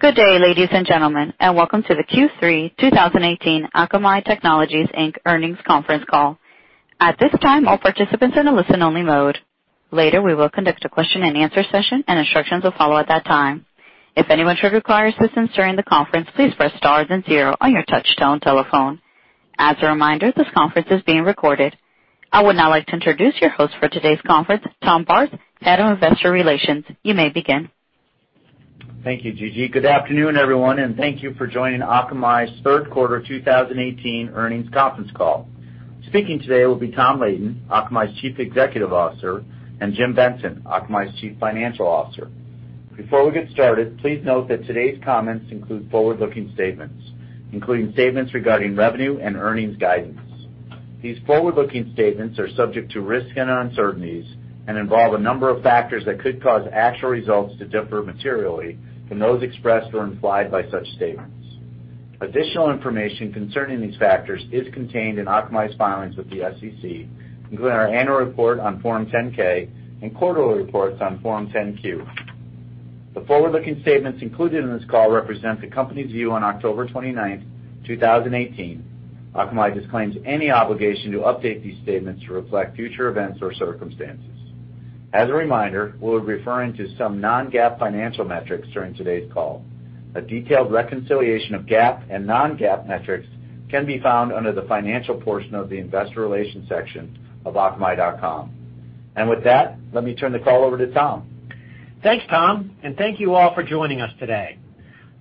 Good day, ladies and gentlemen. Welcome to the Q3 2018 Akamai Technologies Inc. earnings conference call. At this time, all participants are in a listen-only mode. Later, we will conduct a question and answer session, and instructions will follow at that time. If anyone should require assistance during the conference, please press star then zero on your touch-tone telephone. As a reminder, this conference is being recorded. I would now like to introduce your host for today's conference, Tom Barth, Head of Investor Relations. You may begin. Thank you, Gigi. Good afternoon, everyone, and thank you for joining Akamai's third quarter 2018 earnings conference call. Speaking today will be Tom Leighton, Akamai's Chief Executive Officer, and James Benson, Akamai's Chief Financial Officer. Before we get started, please note that today's comments include forward-looking statements, including statements regarding revenue and earnings guidance. These forward-looking statements are subject to risks and uncertainties and involve a number of factors that could cause actual results to differ materially from those expressed or implied by such statements. Additional information concerning these factors is contained in Akamai's filings with the SEC, including our annual report on Form 10-K and quarterly reports on Form 10-Q. The forward-looking statements included in this call represent the company's view on October 29th, 2018. Akamai disclaims any obligation to update these statements to reflect future events or circumstances. As a reminder, we'll be referring to some non-GAAP financial metrics during today's call. A detailed reconciliation of GAAP and non-GAAP metrics can be found under the financial portion of the investor relations section of akamai.com. With that, let me turn the call over to Tom. Thanks, Tom, and thank you all for joining us today.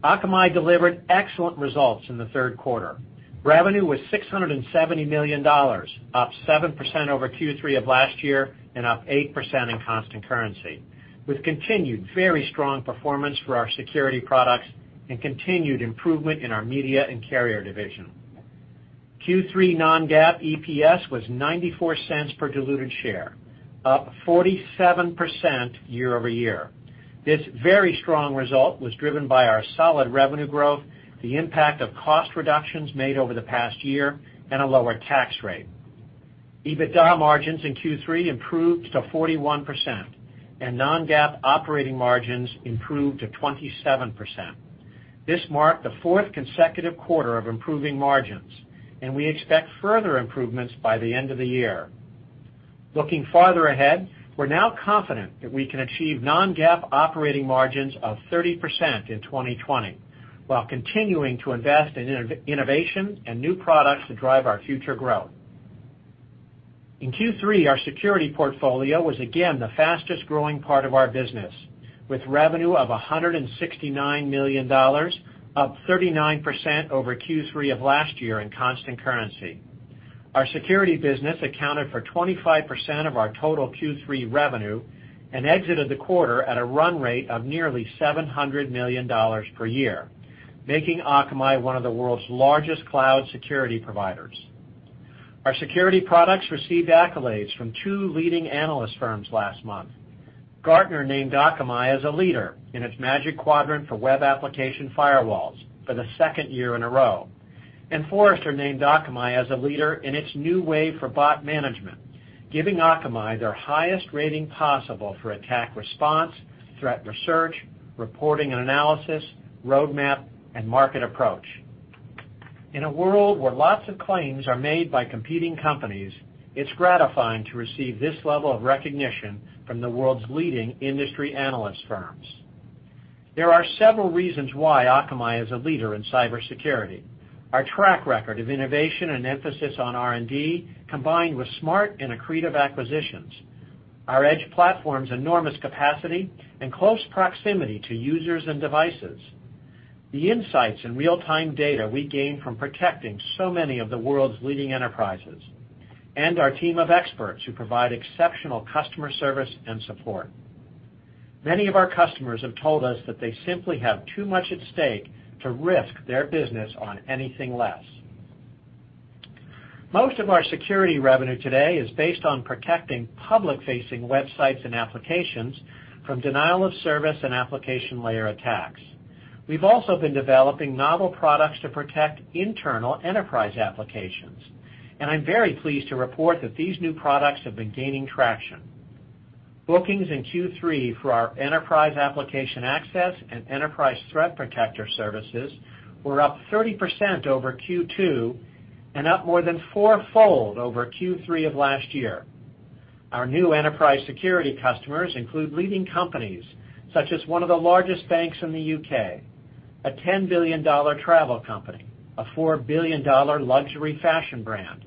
Akamai delivered excellent results in the third quarter. Revenue was $670 million, up 7% over Q3 of last year and up 8% in constant currency, with continued very strong performance for our security products and continued improvement in our Media and Carrier division. Q3 non-GAAP EPS was $0.94 per diluted share, up 47% year-over-year. This very strong result was driven by our solid revenue growth, the impact of cost reductions made over the past year, and a lower tax rate. EBITDA margins in Q3 improved to 41%, and non-GAAP operating margins improved to 27%. This marked the fourth consecutive quarter of improving margins, and we expect further improvements by the end of the year. Looking farther ahead, we're now confident that we can achieve non-GAAP operating margins of 30% in 2020, while continuing to invest in innovation and new products to drive our future growth. In Q3, our security portfolio was again the fastest-growing part of our business, with revenue of $169 million, up 39% over Q3 of last year in constant currency. Our security business accounted for 25% of our total Q3 revenue and exited the quarter at a run rate of nearly $700 million per year, making Akamai one of the world's largest cloud security providers. Our security products received accolades from two leading analyst firms last month. Gartner named Akamai as a leader in its Magic Quadrant for Web Application Firewalls for the second year in a row. Forrester named Akamai as a leader in its New Wave for Bot Management, giving Akamai their highest rating possible for attack response, threat research, reporting and analysis, roadmap, and market approach. In a world where lots of claims are made by competing companies, it's gratifying to receive this level of recognition from the world's leading industry analyst firms. There are several reasons why Akamai is a leader in cybersecurity. Our track record of innovation and emphasis on R&D, combined with smart and accretive acquisitions, our edge platform's enormous capacity and close proximity to users and devices, the insights and real-time data we gain from protecting so many of the world's leading enterprises, and our team of experts who provide exceptional customer service and support. Many of our customers have told us that they simply have too much at stake to risk their business on anything less. Most of our security revenue today is based on protecting public-facing websites and applications from denial of service and application layer attacks. We've also been developing novel products to protect internal enterprise applications, and I'm very pleased to report that these new products have been gaining traction. Bookings in Q3 for our Enterprise Application Access and Enterprise Threat Protector services were up 30% over Q2 and up more than fourfold over Q3 of last year. Our new enterprise security customers include leading companies such as one of the largest banks in the U.K., a $10 billion travel company, a $4 billion luxury fashion brand,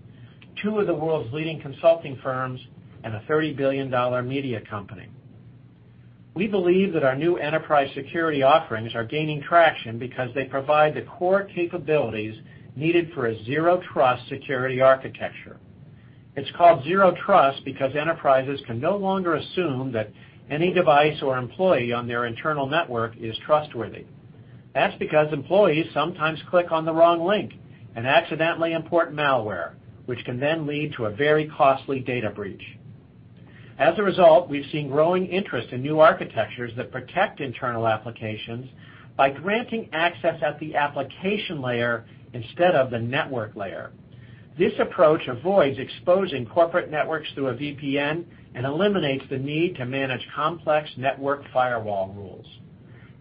two of the world's leading consulting firms, and a $30 billion media company. We believe that our new enterprise security offerings are gaining traction because they provide the core capabilities needed for a Zero Trust security architecture. It's called Zero Trust because enterprises can no longer assume that any device or employee on their internal network is trustworthy. That's because employees sometimes click on the wrong link and accidentally import malware, which can then lead to a very costly data breach. As a result, we've seen growing interest in new architectures that protect internal applications by granting access at the application layer instead of the network layer. This approach avoids exposing corporate networks through a VPN and eliminates the need to manage complex network firewall rules.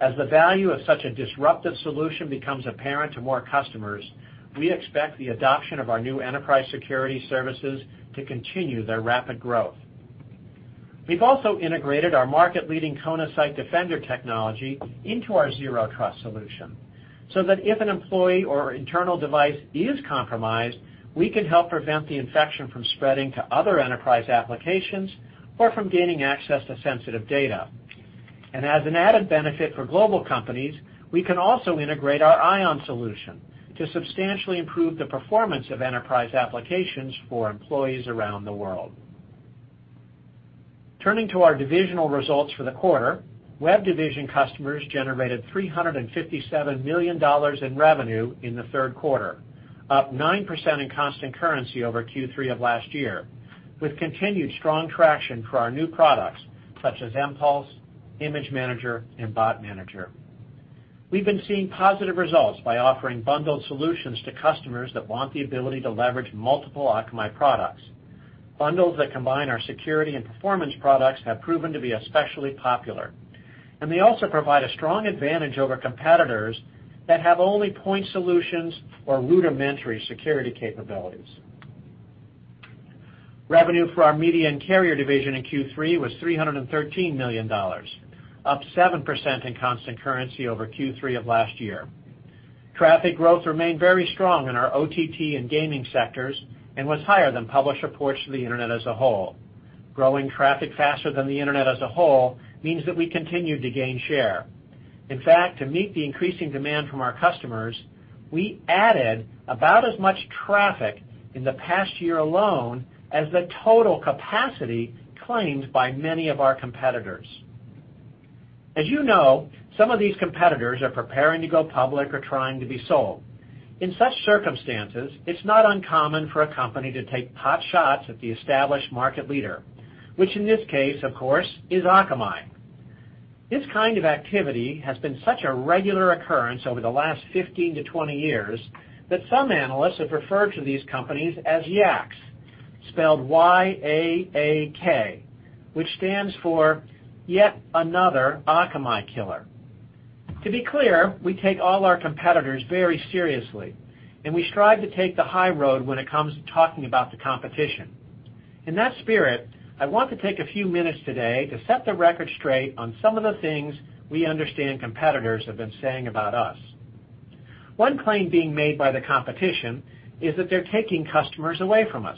As the value of such a disruptive solution becomes apparent to more customers, we expect the adoption of our new enterprise security services to continue their rapid growth. We've also integrated our market-leading Kona Site Defender technology into our Zero Trust solution, so that if an employee or internal device is compromised, we can help prevent the infection from spreading to other enterprise applications or from gaining access to sensitive data. As an added benefit for global companies, we can also integrate our Ion solution to substantially improve the performance of enterprise applications for employees around the world. Turning to our divisional results for the quarter, Web Division customers generated $357 million in revenue in the third quarter, up 9% in constant currency over Q3 of last year, with continued strong traction for our new products such as mPulse, Image Manager, and Bot Manager. We've been seeing positive results by offering bundled solutions to customers that want the ability to leverage multiple Akamai products. Bundles that combine our security and performance products have proven to be especially popular. They also provide a strong advantage over competitors that have only point solutions or rudimentary security capabilities. Revenue for our Media and Carrier Division in Q3 was $313 million, up 7% in constant currency over Q3 of last year. Traffic growth remained very strong in our OTT and gaming sectors and was higher than published reports for the Internet as a whole. Growing traffic faster than the Internet as a whole means that we continued to gain share. In fact, to meet the increasing demand from our customers, we added about as much traffic in the past year alone as the total capacity claimed by many of our competitors. As you know, some of these competitors are preparing to go public or trying to be sold. In such circumstances, it's not uncommon for a company to take potshots at the established market leader, which in this case, of course, is Akamai. This kind of activity has been such a regular occurrence over the last 15 to 20 years that some analysts have referred to these companies as YAAKs, spelled Y-A-A-K, which stands for Yet Another Akamai Killer. To be clear, we take all our competitors very seriously. We strive to take the high road when it comes to talking about the competition. In that spirit, I want to take a few minutes today to set the record straight on some of the things we understand competitors have been saying about us. One claim being made by the competition is that they're taking customers away from us.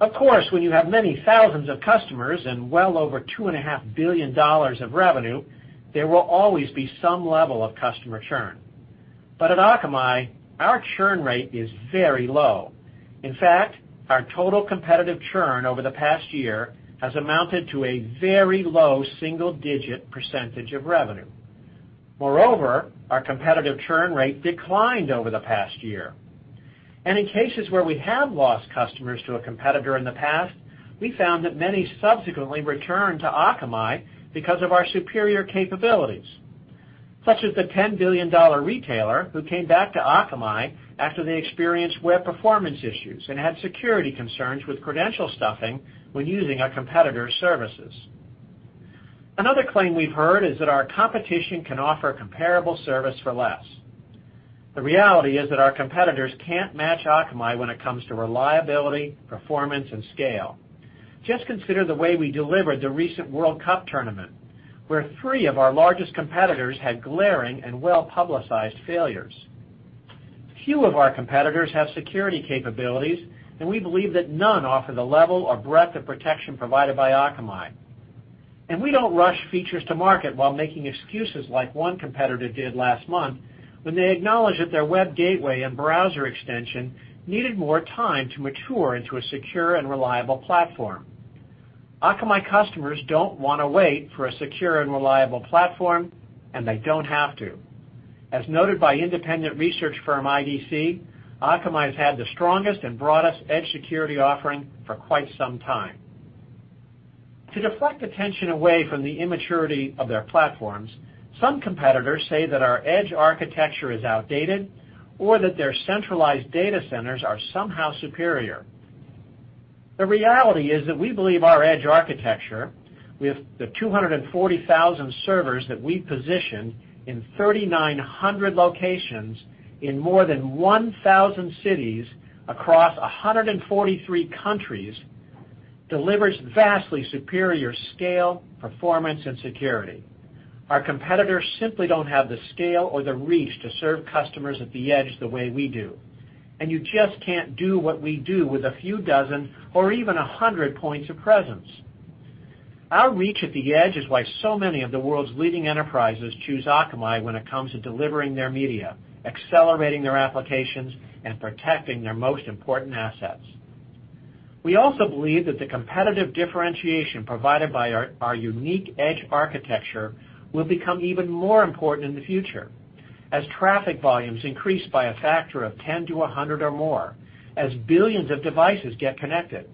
Of course, when you have many thousands of customers and well over $2.5 billion of revenue, there will always be some level of customer churn. At Akamai, our churn rate is very low. In fact, our total competitive churn over the past year has amounted to a very low single-digit percentage of revenue. Moreover, our competitive churn rate declined over the past year. In cases where we have lost customers to a competitor in the past, we found that many subsequently return to Akamai because of our superior capabilities, such as the $10 billion retailer who came back to Akamai after they experienced web performance issues and had security concerns with credential stuffing when using a competitor's services. Another claim we've heard is that our competition can offer comparable service for less. The reality is that our competitors can't match Akamai when it comes to reliability, performance, and scale. Just consider the way we delivered the recent World Cup Tournament, where three of our largest competitors had glaring and well-publicized failures. Few of our competitors have security capabilities, and we believe that none offer the level or breadth of protection provided by Akamai. We don't rush features to market while making excuses like one competitor did last month when they acknowledged that their web gateway and browser extension needed more time to mature into a secure and reliable platform. Akamai customers don't want to wait for a secure and reliable platform, and they don't have to. As noted by independent research firm IDC, Akamai has had the strongest and broadest edge security offering for quite some time. To deflect attention away from the immaturity of their platforms, some competitors say that our edge architecture is outdated or that their centralized data centers are somehow superior. The reality is that we believe our edge architecture, with the 240,000 servers that we position in 3,900 locations in more than 1,000 cities across 143 countries, delivers vastly superior scale, performance, and security. Our competitors simply don't have the scale or the reach to serve customers at the edge the way we do. You just can't do what we do with a few dozen or even 100 points of presence. Our reach at the edge is why so many of the world's leading enterprises choose Akamai when it comes to delivering their media, accelerating their applications, and protecting their most important assets. We also believe that the competitive differentiation provided by our unique edge architecture will become even more important in the future as traffic volumes increase by a factor of 10 to 100 or more as billions of devices get connected,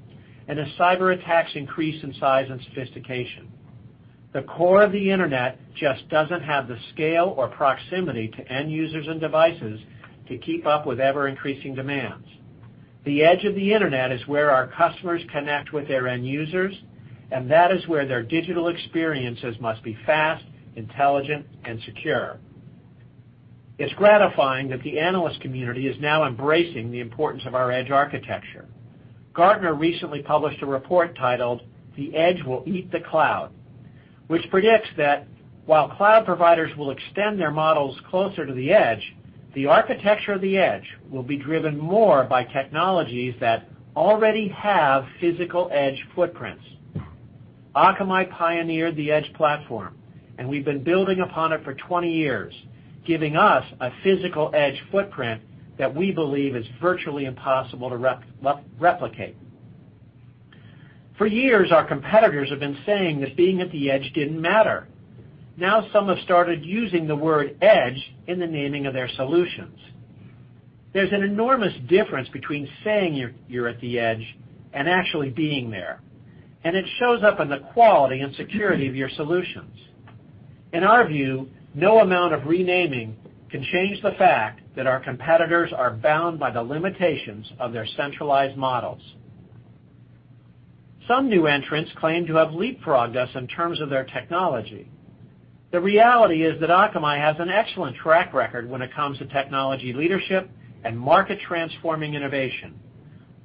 and as cyber attacks increase in size and sophistication. The core of the Internet just doesn't have the scale or proximity to end users and devices to keep up with ever-increasing demands. The edge of the Internet is where our customers connect with their end users, and that is where their digital experiences must be fast, intelligent, and secure. It's gratifying that the analyst community is now embracing the importance of our edge architecture. Gartner recently published a report titled "The Edge Will Eat the Cloud," which predicts that while cloud providers will extend their models closer to the edge, the architecture of the edge will be driven more by technologies that already have physical edge footprints. Akamai pioneered the edge platform, and we've been building upon it for 20 years, giving us a physical edge footprint that we believe is virtually impossible to replicate. For years, our competitors have been saying that being at the edge didn't matter. Some have started using the word edge in the naming of their solutions. There's an enormous difference between saying you're at the edge and actually being there, and it shows up in the quality and security of your solutions. In our view, no amount of renaming can change the fact that our competitors are bound by the limitations of their centralized models. Some new entrants claim to have leapfrogged us in terms of their technology. The reality is that Akamai has an excellent track record when it comes to technology leadership and market-transforming innovation.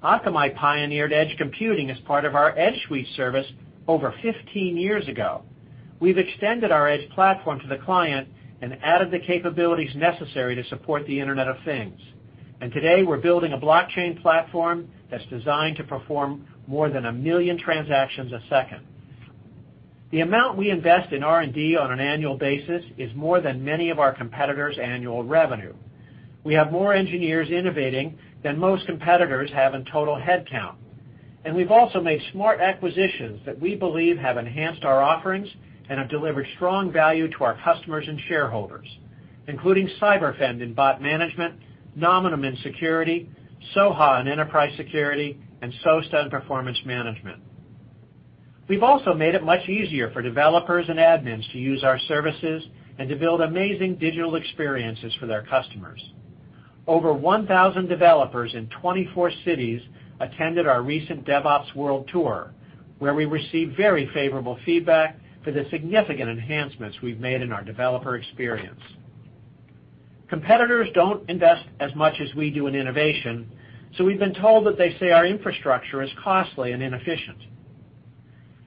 Akamai pioneered edge computing as part of our EdgeSuite service over 15 years ago. We've extended our edge platform to the client and added the capabilities necessary to support the Internet of Things. Today, we're building a blockchain platform that's designed to perform more than a million transactions a second. The amount we invest in R&D on an annual basis is more than many of our competitors' annual revenue. We have more engineers innovating than most competitors have in total headcount, and we've also made smart acquisitions that we believe have enhanced our offerings and have delivered strong value to our customers and shareholders, including Cyberfend in bot management, Nominum in security, Soha in enterprise security, and SOASTA in performance management. We've also made it much easier for developers and admins to use our services and to build amazing digital experiences for their customers. Over 1,000 developers in 24 cities attended our recent DevOps World Tour, where we received very favorable feedback for the significant enhancements we've made in our developer experience. Competitors don't invest as much as we do in innovation, so we've been told that they say our infrastructure is costly and inefficient.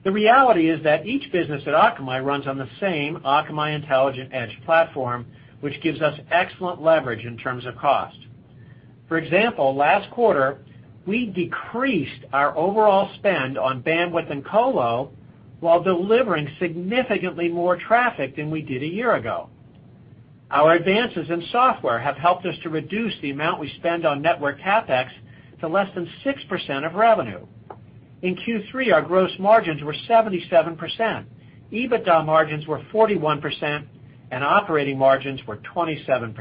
The reality is that each business at Akamai runs on the same Akamai Intelligent Edge platform, which gives us excellent leverage in terms of cost. For example, last quarter, we decreased our overall spend on bandwidth and colo while delivering significantly more traffic than we did a year ago. Our advances in software have helped us to reduce the amount we spend on network CapEx to less than 6% of revenue. In Q3, our gross margins were 77%, EBITDA margins were 41%, and operating margins were 27%.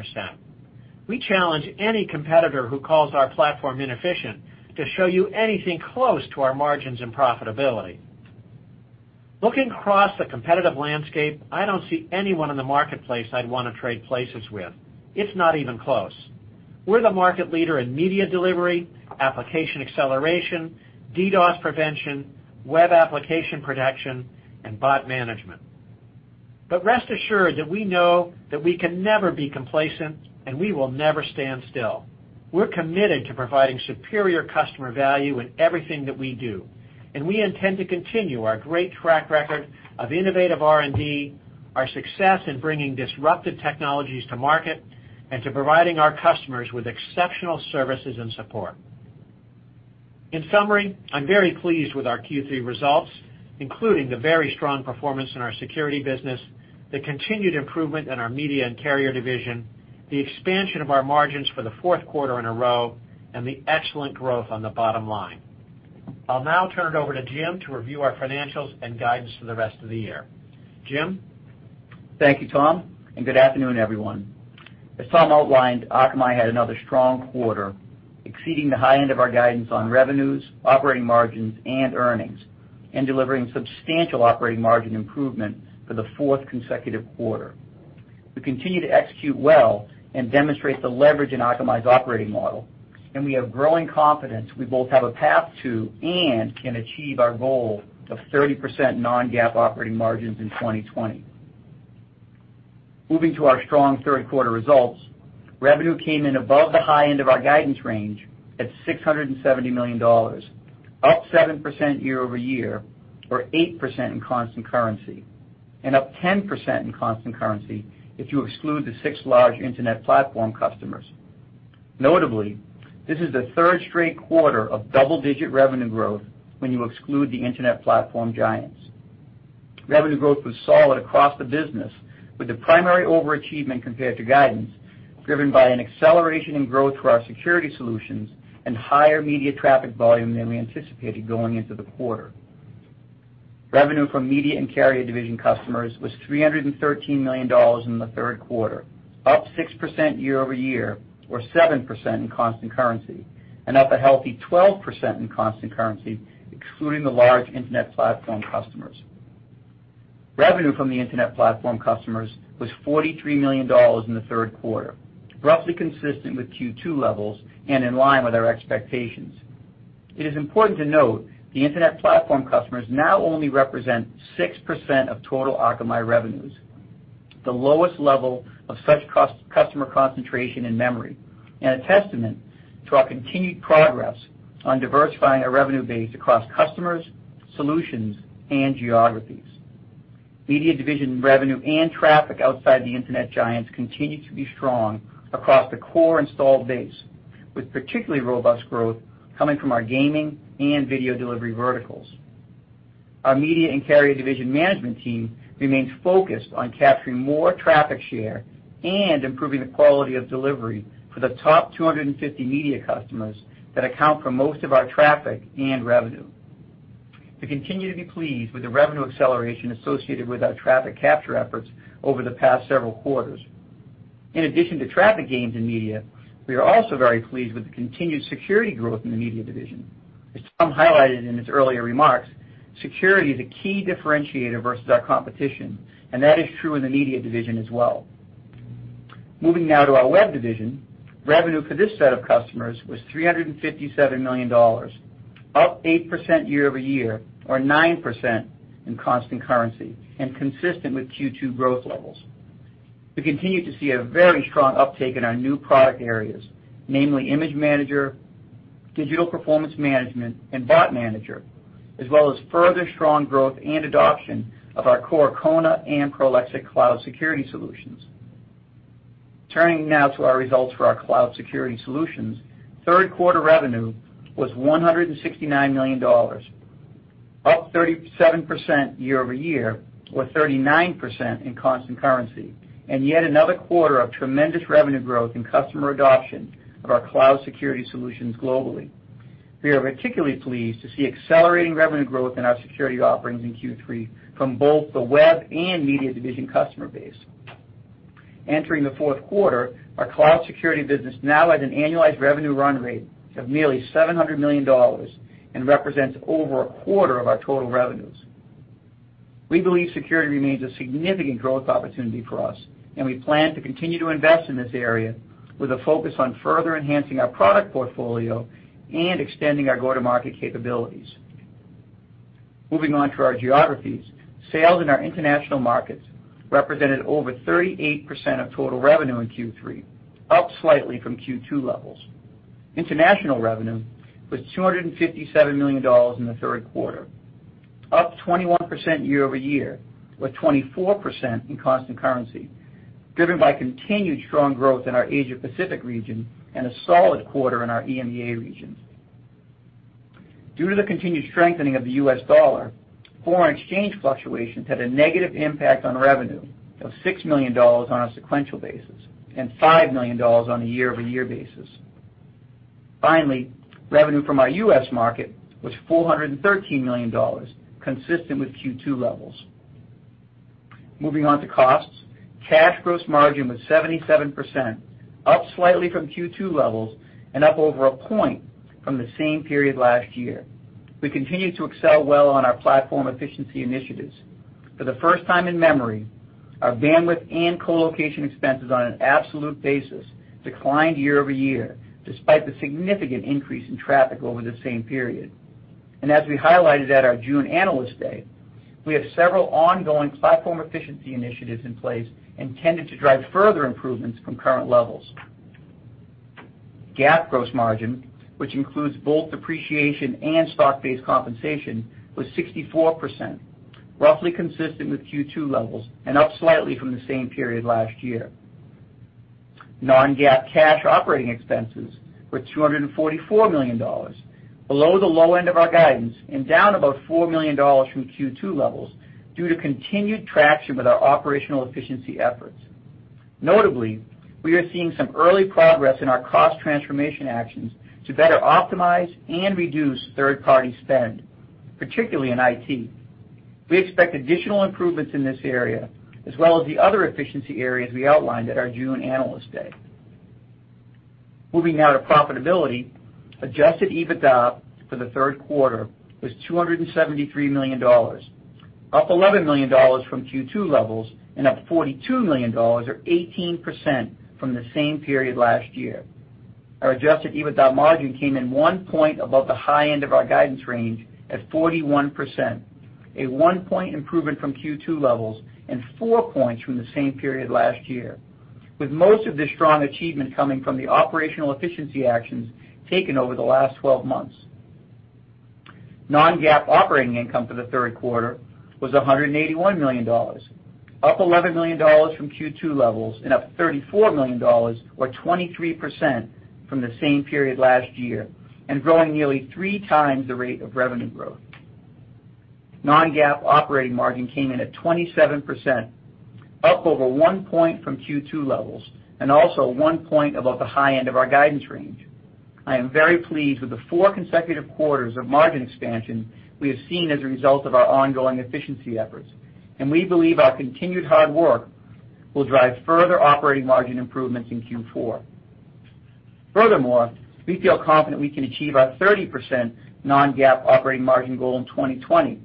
We challenge any competitor who calls our platform inefficient to show you anything close to our margins and profitability. Looking across the competitive landscape, I don't see anyone in the marketplace I'd want to trade places with. It's not even close. We're the market leader in media delivery, application acceleration, DDoS prevention, web application protection, and bot management. Rest assured that we know that we can never be complacent, and we will never stand still. We're committed to providing superior customer value in everything that we do, and we intend to continue our great track record of innovative R&D, our success in bringing disruptive technologies to market, and to providing our customers with exceptional services and support. In summary, I'm very pleased with our Q3 results, including the very strong performance in our security business, the continued improvement in our media and carrier division, the expansion of our margins for the fourth quarter in a row, and the excellent growth on the bottom line. I'll now turn it over to Jim to review our financials and guidance for the rest of the year. Jim? Thank you, Tom, and good afternoon, everyone. As Tom outlined, Akamai had another strong quarter, exceeding the high end of our guidance on revenues, operating margins, and earnings, and delivering substantial operating margin improvement for the fourth consecutive quarter. We continue to execute well and demonstrate the leverage in Akamai's operating model. We have growing confidence we both have a path to and can achieve our goal of 30% non-GAAP operating margins in 2020. Moving to our strong third quarter results, revenue came in above the high end of our guidance range at $670 million, up 7% year-over-year or 8% in constant currency. Up 10% in constant currency if you exclude the six large Internet platform customers. Notably, this is the third straight quarter of double-digit revenue growth when you exclude the Internet platform giants. Revenue growth was solid across the business, with the primary overachievement compared to guidance driven by an acceleration in growth through our security solutions and higher media traffic volume than we anticipated going into the quarter. Revenue from media and carrier division customers was $313 million in the third quarter, up 6% year-over-year or 7% in constant currency. Up a healthy 12% in constant currency, excluding the large Internet platform customers. Revenue from the Internet platform customers was $43 million in the third quarter, roughly consistent with Q2 levels. In line with our expectations. It is important to note the Internet platform customers now only represent 6% of total Akamai revenues, the lowest level of such customer concentration in memory, a testament to our continued progress on diversifying our revenue base across customers, solutions, and geographies. Media division revenue and traffic outside the Internet giants continued to be strong across the core installed base, with particularly robust growth coming from our gaming and video delivery verticals. Our media and carrier division management team remains focused on capturing more traffic share and improving the quality of delivery for the top 250 media customers that account for most of our traffic and revenue. We continue to be pleased with the revenue acceleration associated with our traffic capture efforts over the past several quarters. In addition to traffic gains in media, we are also very pleased with the continued security growth in the media division. As Tom highlighted in his earlier remarks, security is a key differentiator versus our competition. That is true in the media division as well. Moving now to our Web division. Revenue for this set of customers was $357 million, up 8% year-over-year, or 9% in constant currency. Consistent with Q2 growth levels. We continue to see a very strong uptake in our new product areas, namely Image Manager, Digital Performance Management, and Bot Manager, as well as further strong growth and adoption of our core Kona and Akamai Prolexic security solutions. Turning now to our results for our cloud security solutions. Third quarter revenue was $169 million, up 37% year-over-year, or 39% in constant currency. Yet another quarter of tremendous revenue growth and customer adoption of our cloud security solutions globally. We are particularly pleased to see accelerating revenue growth in our security offerings in Q3 from both the web and media division customer base. Entering the fourth quarter, our cloud security business now has an annualized revenue run rate of nearly $700 million and represents over a quarter of our total revenues. We believe security remains a significant growth opportunity for us, and we plan to continue to invest in this area with a focus on further enhancing our product portfolio and extending our go-to-market capabilities. Moving on to our geographies. Sales in our international markets represented over 38% of total revenue in Q3, up slightly from Q2 levels. International revenue was $257 million in the third quarter, up 21% year-over-year, or 24% in constant currency, driven by continued strong growth in our Asia Pacific region and a solid quarter in our EMEA regions. Due to the continued strengthening of the U.S. dollar, foreign exchange fluctuations had a negative impact on revenue of $6 million on a sequential basis and $5 million on a year-over-year basis. Finally, revenue from our U.S. market was $413 million, consistent with Q2 levels. Moving on to costs. Cash gross margin was 77%, up slightly from Q2 levels and up over one point from the same period last year. We continue to excel well on our platform efficiency initiatives. For the first time in memory, our bandwidth and co-location expenses on an absolute basis declined year-over-year, despite the significant increase in traffic over the same period. As we highlighted at our June Analyst Day, we have several ongoing platform efficiency initiatives in place intended to drive further improvements from current levels. GAAP gross margin, which includes both depreciation and stock-based compensation, was 64%, roughly consistent with Q2 levels and up slightly from the same period last year. Non-GAAP cash operating expenses were $244 million, below the low end of our guidance and down about $4 million from Q2 levels due to continued traction with our operational efficiency efforts. Notably, we are seeing some early progress in our cost transformation actions to better optimize and reduce third-party spend, particularly in IT. We expect additional improvements in this area, as well as the other efficiency areas we outlined at our June Analyst Day. Moving now to profitability. Adjusted EBITDA for the third quarter was $273 million, up $11 million from Q2 levels, and up $42 million, or 18%, from the same period last year. Our adjusted EBITDA margin came in one point above the high end of our guidance range at 41%, a one point improvement from Q2 levels and four points from the same period last year, with most of the strong achievement coming from the operational efficiency actions taken over the last 12 months. Non-GAAP operating income for the third quarter was $181 million, up $11 million from Q2 levels and up $34 million, or 23%, from the same period last year, growing nearly three times the rate of revenue growth. Non-GAAP operating margin came in at 27%, up over one point from Q2 levels, and also one point above the high end of our guidance range. I am very pleased with the four consecutive quarters of margin expansion we have seen as a result of our ongoing efficiency efforts, We believe our continued hard work will drive further operating margin improvements in Q4. Furthermore, we feel confident we can achieve our 30% non-GAAP operating margin goal in 2020,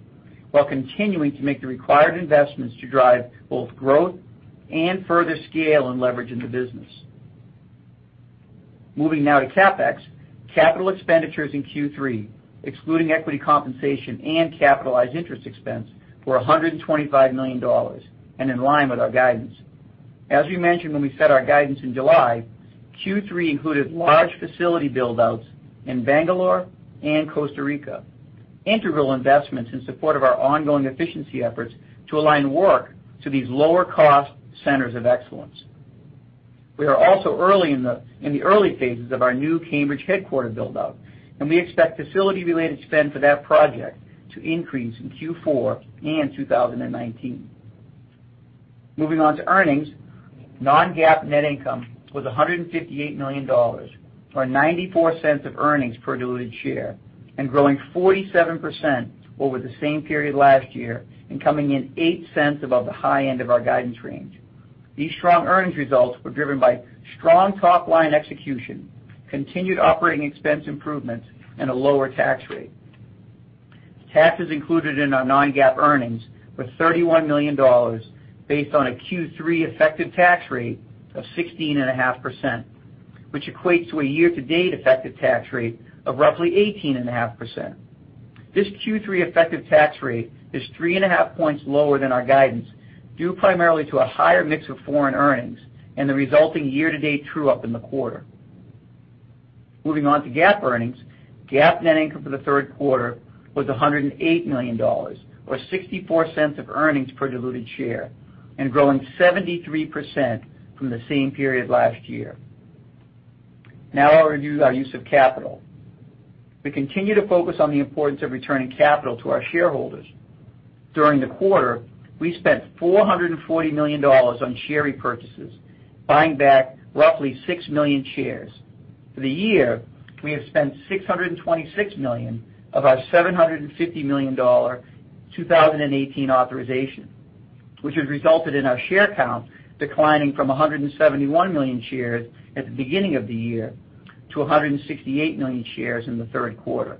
while continuing to make the required investments to drive both growth and further scale and leverage in the business. Moving now to CapEx. Capital expenditures in Q3, excluding equity compensation and capitalized interest expense, were $125 million and in line with our guidance. As we mentioned when we set our guidance in July, Q3 included large facility build-outs in Bangalore and Costa Rica, integral investments in support of our ongoing efficiency efforts to align work to these lower-cost centers of excellence. We are also in the early phases of our new Cambridge headquarter build-out, We expect facility-related spend for that project to increase in Q4 and 2019. Moving on to earnings. Non-GAAP net income was $158 million, or $0.94 of earnings per diluted share, growing 47% over the same period last year coming in $0.08 above the high end of our guidance range. These strong earnings results were driven by strong top-line execution, continued operating expense improvements, a lower tax rate. Taxes included in our non-GAAP earnings was $31 million based on a Q3 effective tax rate of 16.5%, which equates to a year-to-date effective tax rate of roughly 18.5%. This Q3 effective tax rate is three and a half points lower than our guidance, due primarily to a higher mix of foreign earnings the resulting year-to-date true-up in the quarter. Moving on to GAAP earnings. GAAP net income for the third quarter was $108 million, or $0.64 of earnings per diluted share, growing 73% from the same period last year. Now I'll review our use of capital. We continue to focus on the importance of returning capital to our shareholders. During the quarter, we spent $440 million on share repurchases, buying back roughly 6 million shares. For the year, we have spent $626 million of our $750 million 2018 authorization, which has resulted in our share count declining from 171 million shares at the beginning of the year to 168 million shares in the third quarter.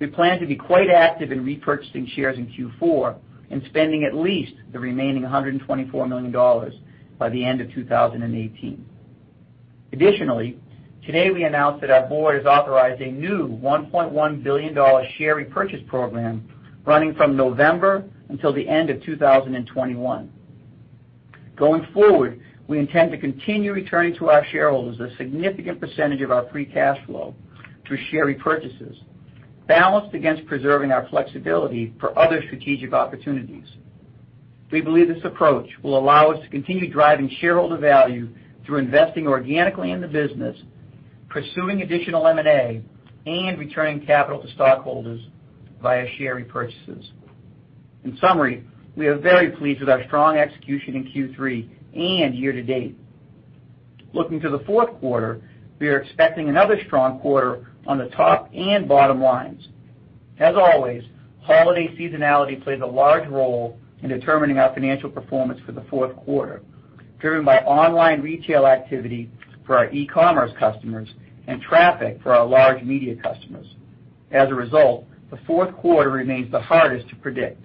We plan to be quite active in repurchasing shares in Q4 and spending at least the remaining $124 million by the end of 2018. Additionally, today we announced that our board has authorized a new $1.1 billion share repurchase program running from November until the end of 2021. Going forward, we intend to continue returning to our shareholders a significant percentage of our free cash flow through share repurchases, balanced against preserving our flexibility for other strategic opportunities. We believe this approach will allow us to continue driving shareholder value through investing organically in the business, pursuing additional M&A, returning capital to stockholders via share repurchases. In summary, we are very pleased with our strong execution in Q3 and year-to-date. Looking to the fourth quarter, we are expecting another strong quarter on the top and bottom lines. As always, holiday seasonality plays a large role in determining our financial performance for the fourth quarter, driven by online retail activity for our e-commerce customers and traffic for our large media customers. As a result, the fourth quarter remains the hardest to predict.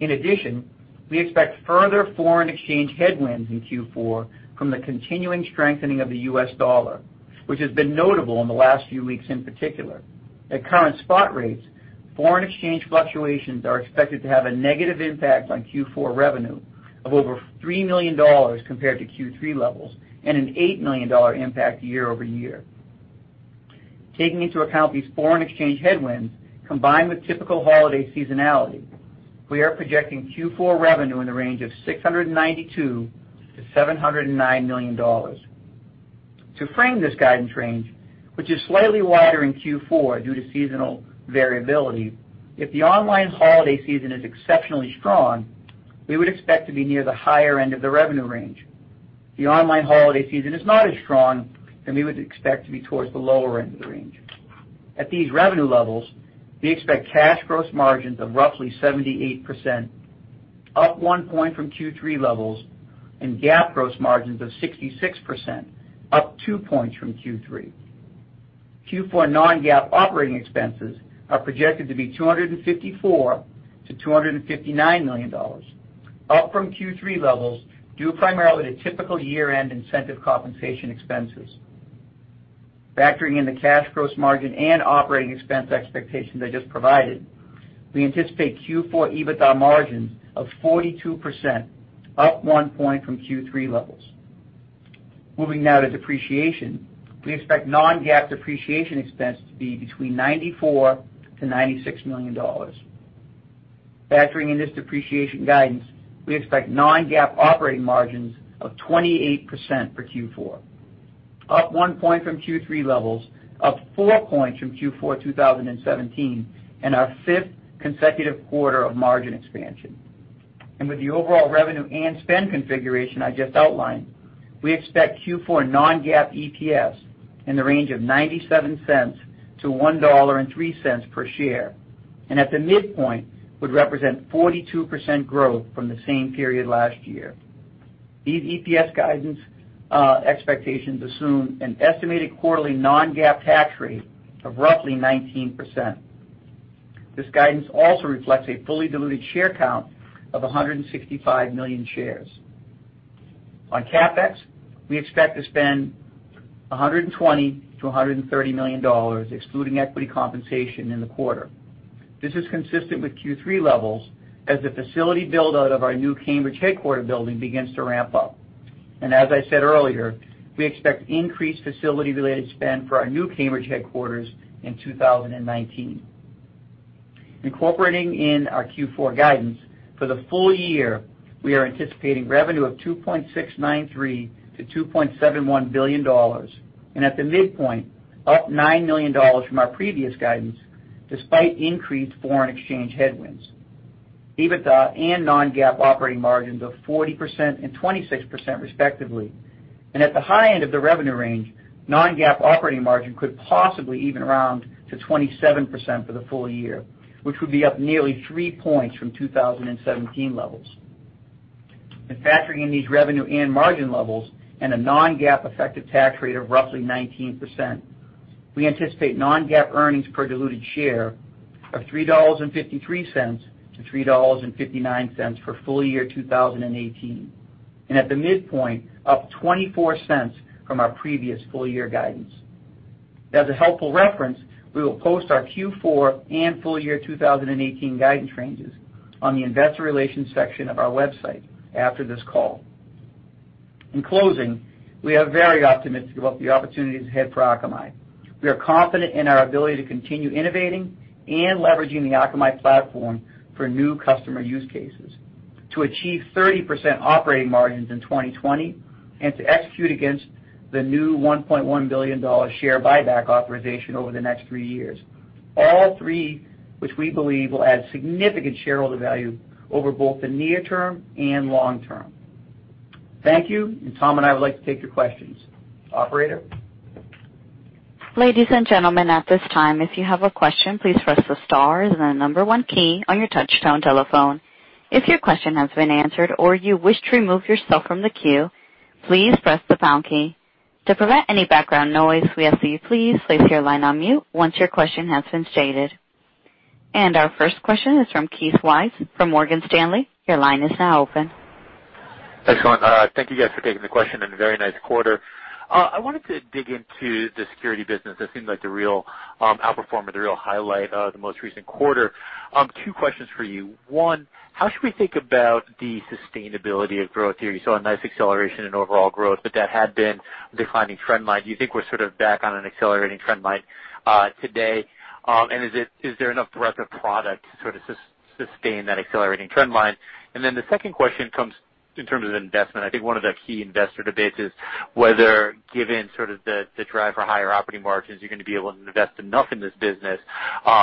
In addition, we expect further foreign exchange headwinds in Q4 from the continuing strengthening of the US dollar, which has been notable in the last few weeks in particular. At current spot rates, foreign exchange fluctuations are expected to have a negative impact on Q4 revenue of over $3 million compared to Q3 levels and an $8 million impact year-over-year. Taking into account these foreign exchange headwinds, combined with typical holiday seasonality, we are projecting Q4 revenue in the range of $692 million-$709 million. To frame this guidance range, which is slightly wider in Q4 due to seasonal variability, if the online holiday season is exceptionally strong, we would expect to be near the higher end of the revenue range. If the online holiday season is not as strong, we would expect to be towards the lower end of the range. At these revenue levels, we expect cash gross margins of roughly 78%, up one point from Q3 levels, and GAAP gross margins of 66%, up two points from Q3. Q4 non-GAAP operating expenses are projected to be $254 million-$259 million, up from Q3 levels, due primarily to typical year-end incentive compensation expenses. Factoring in the cash gross margin and operating expense expectations I just provided, we anticipate Q4 EBITDA margins of 42%, up one point from Q3 levels. Moving now to depreciation. We expect non-GAAP depreciation expense to be between $94 million-$96 million. Factoring in this depreciation guidance, we expect non-GAAP operating margins of 28% for Q4, up one point from Q3 levels, up four points from Q4 2017, and our fifth consecutive quarter of margin expansion. With the overall revenue and spend configuration I just outlined, we expect Q4 non-GAAP EPS in the range of $0.97-$1.03 per share. At the midpoint, would represent 42% growth from the same period last year. These EPS guidance expectations assume an estimated quarterly non-GAAP tax rate of roughly 19%. This guidance also reflects a fully diluted share count of 165 million shares. On CapEx, we expect to spend $120 million-$130 million, excluding equity compensation in the quarter. This is consistent with Q3 levels as the facility build-out of our new Cambridge headquarter building begins to ramp up. As I said earlier, we expect increased facility-related spend for our new Cambridge headquarters in 2019. Incorporating in our Q4 guidance, for the full year, we are anticipating revenue of $2.693 billion-$2.71 billion, at the midpoint, up $9 million from our previous guidance, despite increased foreign exchange headwinds. EBITDA and non-GAAP operating margins of 40% and 26%, respectively. At the high end of the revenue range, non-GAAP operating margin could possibly even round to 27% for the full year, which would be up nearly three points from 2017 levels. Factoring in these revenue and margin levels and a non-GAAP effective tax rate of roughly 19%, we anticipate non-GAAP earnings per diluted share of $3.53-$3.59 for full year 2018. At the midpoint, up $0.24 from our previous full year guidance. As a helpful reference, we will post our Q4 and full year 2018 guidance ranges on the investor relations section of our website after this call. In closing, we are very optimistic about the opportunities ahead for Akamai. We are confident in our ability to continue innovating and leveraging the Akamai platform for new customer use cases to achieve 30% operating margins in 2020 and to execute against the new $1.1 billion share buyback authorization over the next three years. All three, which we believe will add significant shareholder value over both the near term and long term. Thank you, and Tom and I would like to take your questions. Operator? Ladies and gentlemen, at this time, if you have a question, please press the star and the number one key on your touch-tone telephone. If your question has been answered or you wish to remove yourself from the queue, please press the pound key. To prevent any background noise, we ask that you please place your line on mute once your question has been stated. Our first question is from Keith Weiss from Morgan Stanley. Your line is now open. Thanks, Sean. Thank you guys for taking the question, and a very nice quarter. I wanted to dig into the security business. That seemed like the real outperformer, the real highlight of the most recent quarter. Two questions for you. One, how should we think about the sustainability of growth here? You saw a nice acceleration in overall growth, but that had been a declining trend line. Do you think we're sort of back on an accelerating trend line today? Is there enough breadth of product to sort of sustain that accelerating trend line? The second question comes in terms of investment. I think one of the key investor debates is whether, given sort of the drive for higher operating margins, you're going to be able to invest enough in this business,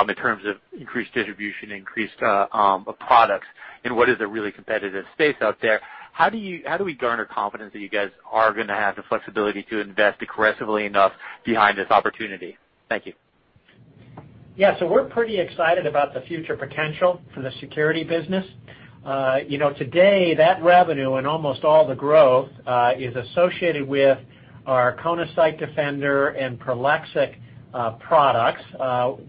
in terms of increased distribution, increased products, in what is a really competitive space out there. How do we garner confidence that you guys are going to have the flexibility to invest aggressively enough behind this opportunity? Thank you. We're pretty excited about the future potential for the security business. Today, that revenue and almost all the growth, is associated with our Kona Site Defender and Prolexic products,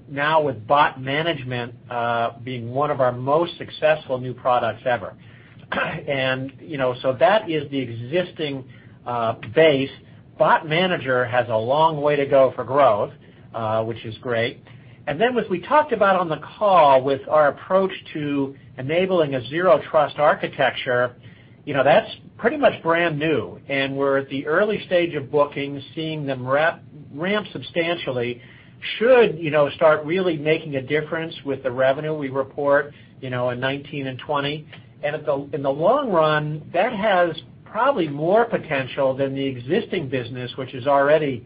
now with Bot Manager, being one of our most successful new products ever. That is the existing base. Bot Manager has a long way to go for growth, which is great. As we talked about on the call with our approach to enabling a Zero Trust architecture, that's pretty much brand new, and we're at the early stage of bookings, seeing them ramp substantially should start really making a difference with the revenue we report in 2019 and 2020. In the long run, that has probably more potential than the existing business, which is already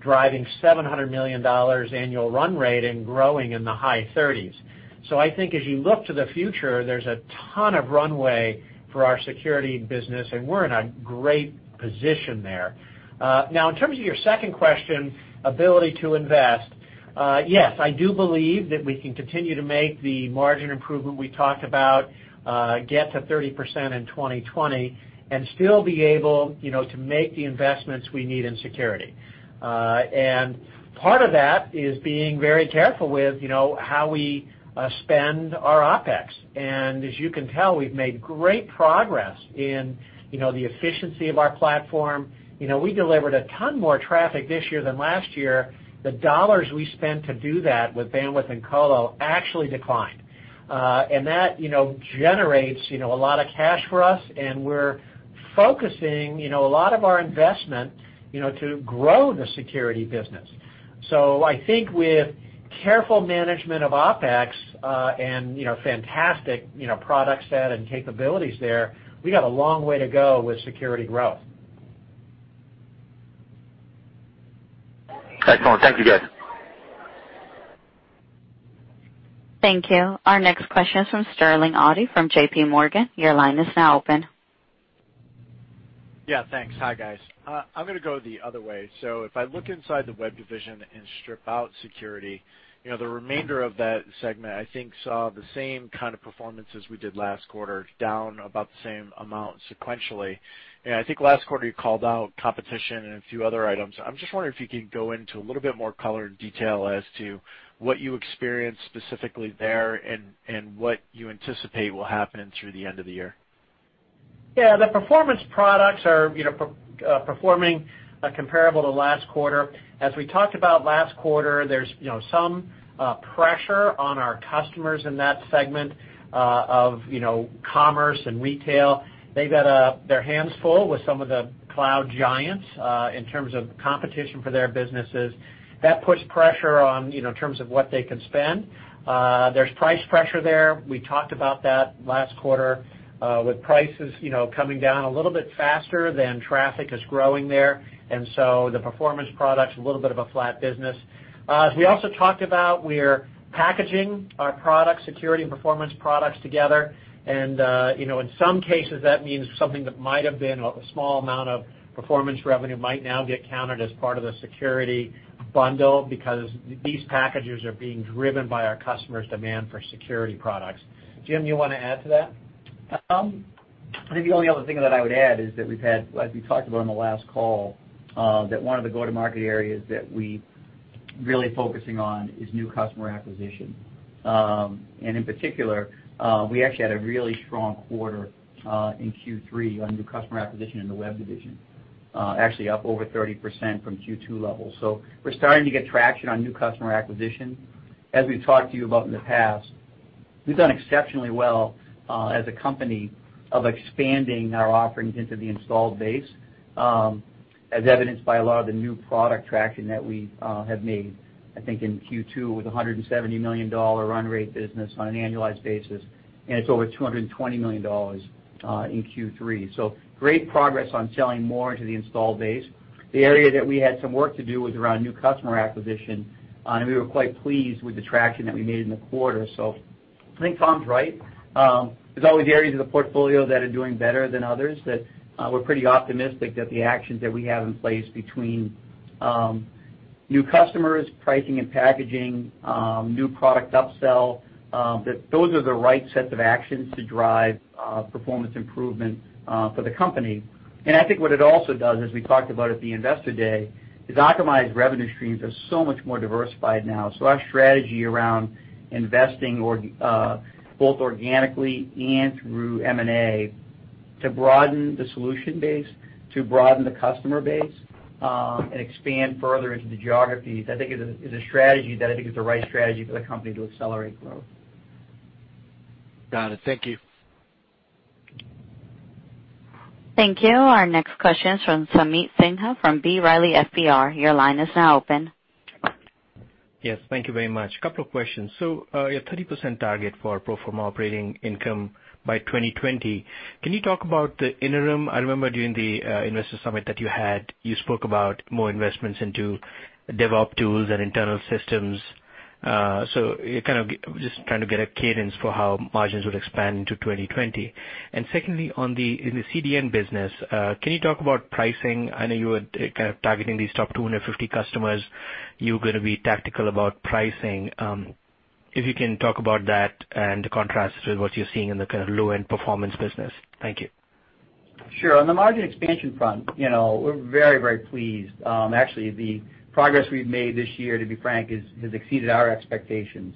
driving $700 million annual run rate and growing in the high 30s. I think as you look to the future, there's a ton of runway for our security business, and we're in a great position there. Now, in terms of your second question, ability to invest, yes, I do believe that we can continue to make the margin improvement we talked about, get to 30% in 2020, still be able to make the investments we need in security. Part of that is being very careful with how we spend our OpEx. As you can tell, we've made great progress in the efficiency of our platform. We delivered a ton more traffic this year than last year. The dollars we spent to do that with bandwidth and colo actually declined. That generates a lot of cash for us, and we're focusing a lot of our investment to grow the security business. I think with careful management of OpEx, fantastic product set and capabilities there, we got a long way to go with security growth. Thanks, Sean. Thank you, guys. Thank you. Our next question is from Sterling Auty from J.P. Morgan. Your line is now open Yeah, thanks. Hi, guys. I'm going to go the other way. If I look inside the web division and strip out security, the remainder of that segment, I think, saw the same kind of performance as we did last quarter, down about the same amount sequentially. I think last quarter you called out competition and a few other items. I'm just wondering if you could go into a little bit more color and detail as to what you experienced specifically there and what you anticipate will happen through the end of the year. The performance products are performing comparable to last quarter. As we talked about last quarter, there's some pressure on our customers in that segment of commerce and retail. They've got their hands full with some of the cloud giants, in terms of competition for their businesses. That puts pressure in terms of what they can spend. There's price pressure there. We talked about that last quarter, with prices coming down a little bit faster than traffic is growing there. The performance product's a little bit of a flat business. As we also talked about, we're packaging our security and performance products together, and in some cases, that means something that might have been a small amount of performance revenue might now get counted as part of the security bundle because these packages are being driven by our customers' demand for security products. Jim, you want to add to that? Tom, I think the only other thing that I would add is that we've had, as we talked about on the last call, that one of the go-to-market areas that we're really focusing on is new customer acquisition. In particular, we actually had a really strong quarter in Q3 on new customer acquisition in the web division, actually up over 30% from Q2 levels. We're starting to get traction on new customer acquisition. As we've talked to you about in the past, we've done exceptionally well as a company of expanding our offerings into the installed base, as evidenced by a lot of the new product traction that we have made, I think in Q2 with $170 million run rate business on an annualized basis, and it's over $220 million in Q3. Great progress on selling more into the installed base. The area that we had some work to do was around new customer acquisition, and we were quite pleased with the traction that we made in the quarter. I think Tom's right. There's always areas of the portfolio that are doing better than others, that we're pretty optimistic that the actions that we have in place between new customers, pricing and packaging, new product upsell, that those are the right sets of actions to drive performance improvement for the company. I think what it also does, as we talked about at the investor day, is Akamai's revenue streams are so much more diversified now. Our strategy around investing both organically and through M&A to broaden the solution base, to broaden the customer base, and expand further into the geographies, I think is a strategy that I think is the right strategy for the company to accelerate growth. Got it. Thank you. Thank you. Our next question is from Sameet Sinha from B. Riley FBR. Your line is now open. Yes, thank you very much. Two questions. Your 30% target for pro forma operating income by 2020, can you talk about the interim? I remember during the investor summit that you had, you spoke about more investments into DevOps tools and internal systems. Just trying to get a cadence for how margins would expand into 2020. Secondly, in the CDN business, can you talk about pricing? I know you were targeting these top 250 customers. You're going to be tactical about pricing. If you can talk about that and the contrast with what you're seeing in the kind of low-end performance business. Thank you. Sure. On the margin expansion front, we're very, very pleased. Actually, the progress we've made this year, to be frank, has exceeded our expectations.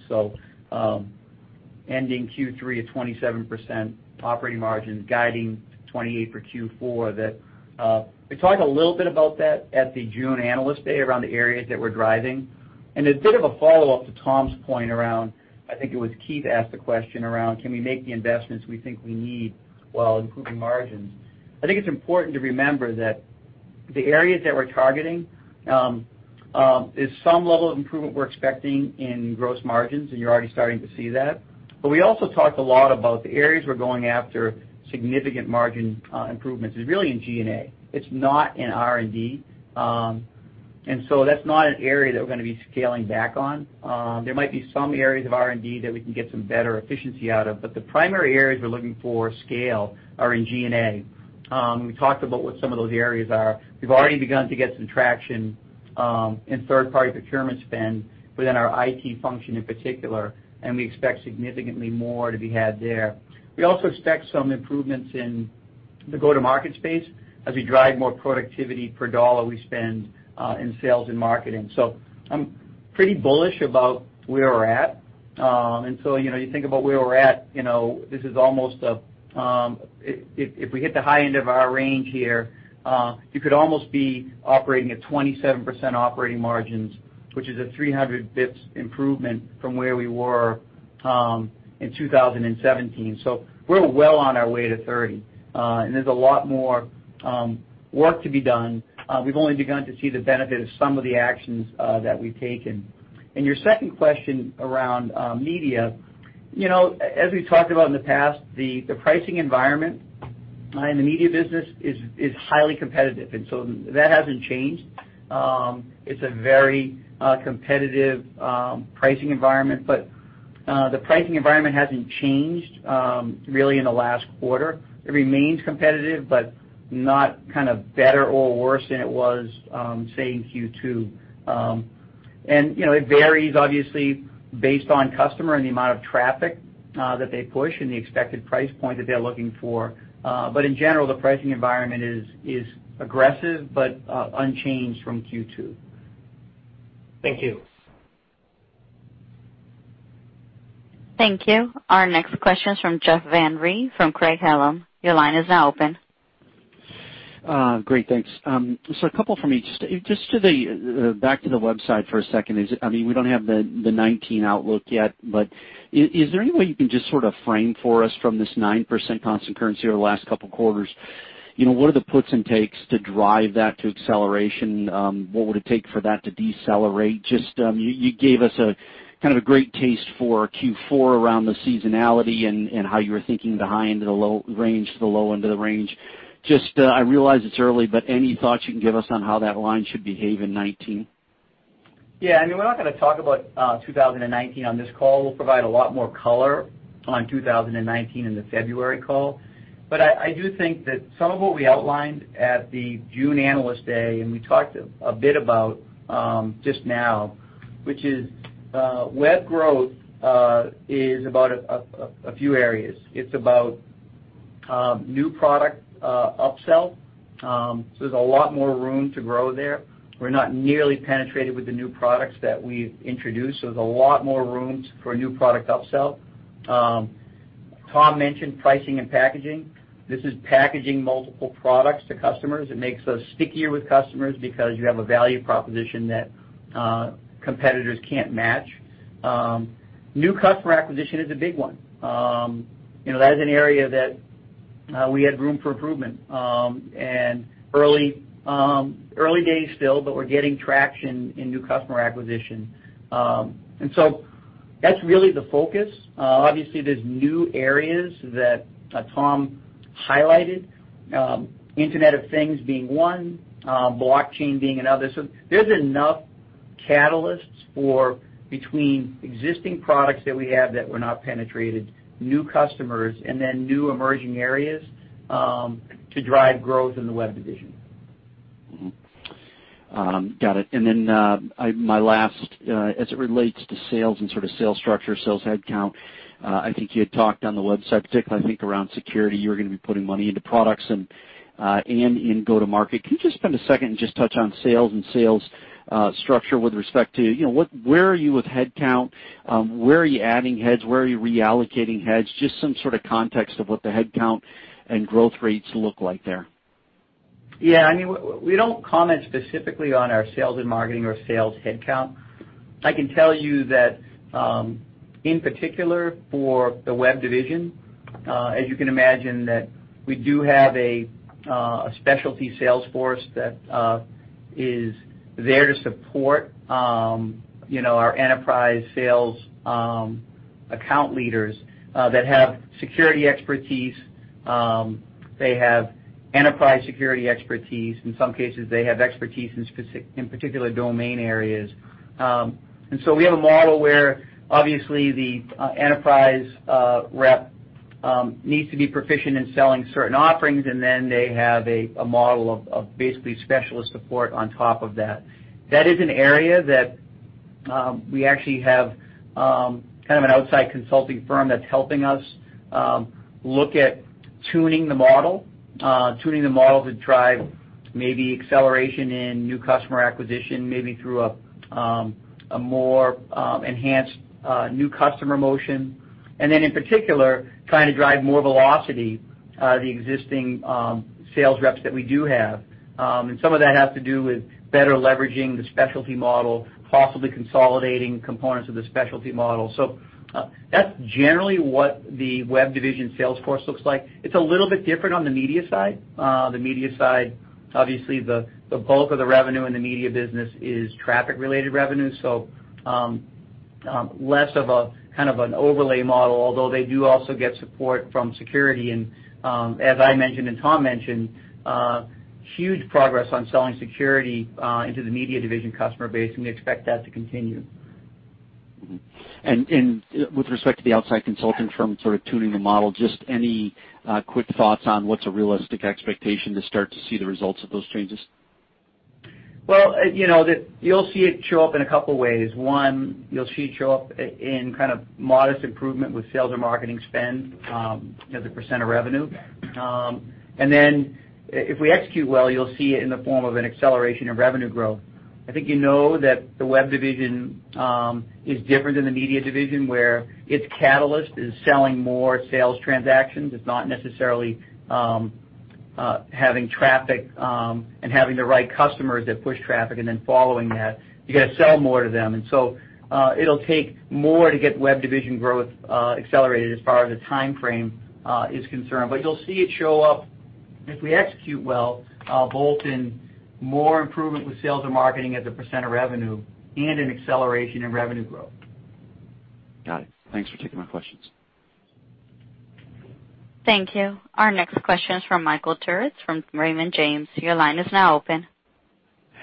Ending Q3 at 27% operating margins, guiding 28% for Q4. We talked a little bit about that at the June Analyst Day around the areas that we're driving. A bit of a follow-up to Tom's point around, I think it was Keith asked the question around can we make the investments we think we need while improving margins. I think it's important to remember that the areas that we're targeting, is some level of improvement we're expecting in gross margins, and you're already starting to see that. We also talked a lot about the areas we're going after significant margin improvements is really in G&A. It's not in R&D. That's not an area that we're going to be scaling back on. There might be some areas of R&D that we can get some better efficiency out of, the primary areas we're looking for scale are in G&A. We talked about what some of those areas are. We've already begun to get some traction in third-party procurement spend within our IT function in particular, and we expect significantly more to be had there. We also expect some improvements in the go-to-market space as we drive more productivity per dollar we spend in sales and marketing. I'm pretty bullish about where we're at. You think about where we're at, if we hit the high end of our range here, you could almost be operating at 27% operating margins, which is a 300 basis points improvement from where we were in 2017. We're well on our way to 30. There's a lot more work to be done. We've only begun to see the benefit of some of the actions that we've taken. Your second question around media. As we've talked about in the past, the pricing environment in the media business is highly competitive, that hasn't changed. It's a very competitive pricing environment. The pricing environment hasn't changed really in the last quarter. It remains competitive, but not kind of better or worse than it was, say, in Q2. It varies, obviously, based on customer and the amount of traffic that they push and the expected price point that they're looking for. In general, the pricing environment is aggressive but unchanged from Q2. Thank you. Thank you. Our next question is from Jeff Van Rhee from Craig-Hallum. Your line is now open. Great. Thanks. A couple from me. Just back to the website for a second. We don't have the 2019 outlook yet, is there any way you can just sort of frame for us from this 9% constant currency over the last couple of quarters, what are the puts and takes to drive that to acceleration? What would it take for that to decelerate? You gave us a great taste for Q4 around the seasonality and how you were thinking the high end of the low range to the low end of the range. Just, I realize it's early, but any thoughts you can give us on how that line should behave in 2019? Yeah. We're not going to talk about 2019 on this call. We'll provide a lot more color on 2019 in the February call. I do think that some of what we outlined at the June Analyst Day, and we talked a bit about just now, which is web growth is about a few areas. It's about new product upsell. There's a lot more room to grow there. We're not nearly penetrated with the new products that we've introduced, there's a lot more room for new product upsell. Tom mentioned pricing and packaging. This is packaging multiple products to customers. It makes us stickier with customers because you have a value proposition that competitors can't match. New customer acquisition is a big one. That is an area that we had room for improvement. Early days still, but we're getting traction in new customer acquisition. That's really the focus. Obviously, there's new areas that Tom highlighted. Internet of Things being one, blockchain being another. There's enough catalysts between existing products that we have that were not penetrated, new customers, and then new emerging areas, to drive growth in the web division. Got it. My last, as it relates to sales and sort of sales structure, sales headcount, I think you had talked on the website, particularly I think around security, you were going to be putting money into products and in go-to-market. Can you just spend a second and just touch on sales and sales structure with respect to where are you with headcount? Where are you adding heads? Where are you reallocating heads? Just some sort of context of what the headcount and growth rates look like there. Yeah. We don't comment specifically on our sales and marketing or sales headcount. I can tell you that, in particular for the web division, as you can imagine, that we do have a specialty sales force that is there to support our enterprise sales account leaders that have security expertise. They have enterprise security expertise. In some cases, they have expertise in particular domain areas. We have a model where, obviously, the enterprise rep needs to be proficient in selling certain offerings, and then they have a model of basically specialist support on top of that. That is an area that we actually have kind of an outside consulting firm that's helping us look at tuning the model to drive maybe acceleration in new customer acquisition, maybe through a more enhanced new customer motion. In particular, trying to drive more velocity, the existing sales reps that we do have. Some of that has to do with better leveraging the specialty model, possibly consolidating components of the specialty model. That's generally what the web division sales force looks like. It's a little bit different on the media side. The media side, obviously the bulk of the revenue in the media business is traffic-related revenue. Less of a kind of an overlay model, although they do also get support from security. As I mentioned and Tom mentioned, huge progress on selling security into the media division customer base, and we expect that to continue. With respect to the outside consultant firm sort of tuning the model, just any quick thoughts on what's a realistic expectation to start to see the results of those changes? Well, you'll see it show up in a couple ways. One, you'll see it show up in kind of modest improvement with sales and marketing spend as a percent of revenue. If we execute well, you'll see it in the form of an acceleration of revenue growth. I think you know that the web division is different than the media division, where its catalyst is selling more sales transactions. It's not necessarily having traffic and having the right customers that push traffic and then following that. You got to sell more to them. It'll take more to get web division growth accelerated as far as the timeframe is concerned. You'll see it show up, if we execute well, both in more improvement with sales and marketing as a percent of revenue and an acceleration in revenue growth. Got it. Thanks for taking my questions. Thank you. Our next question is from Michael Turits from Raymond James. Your line is now open.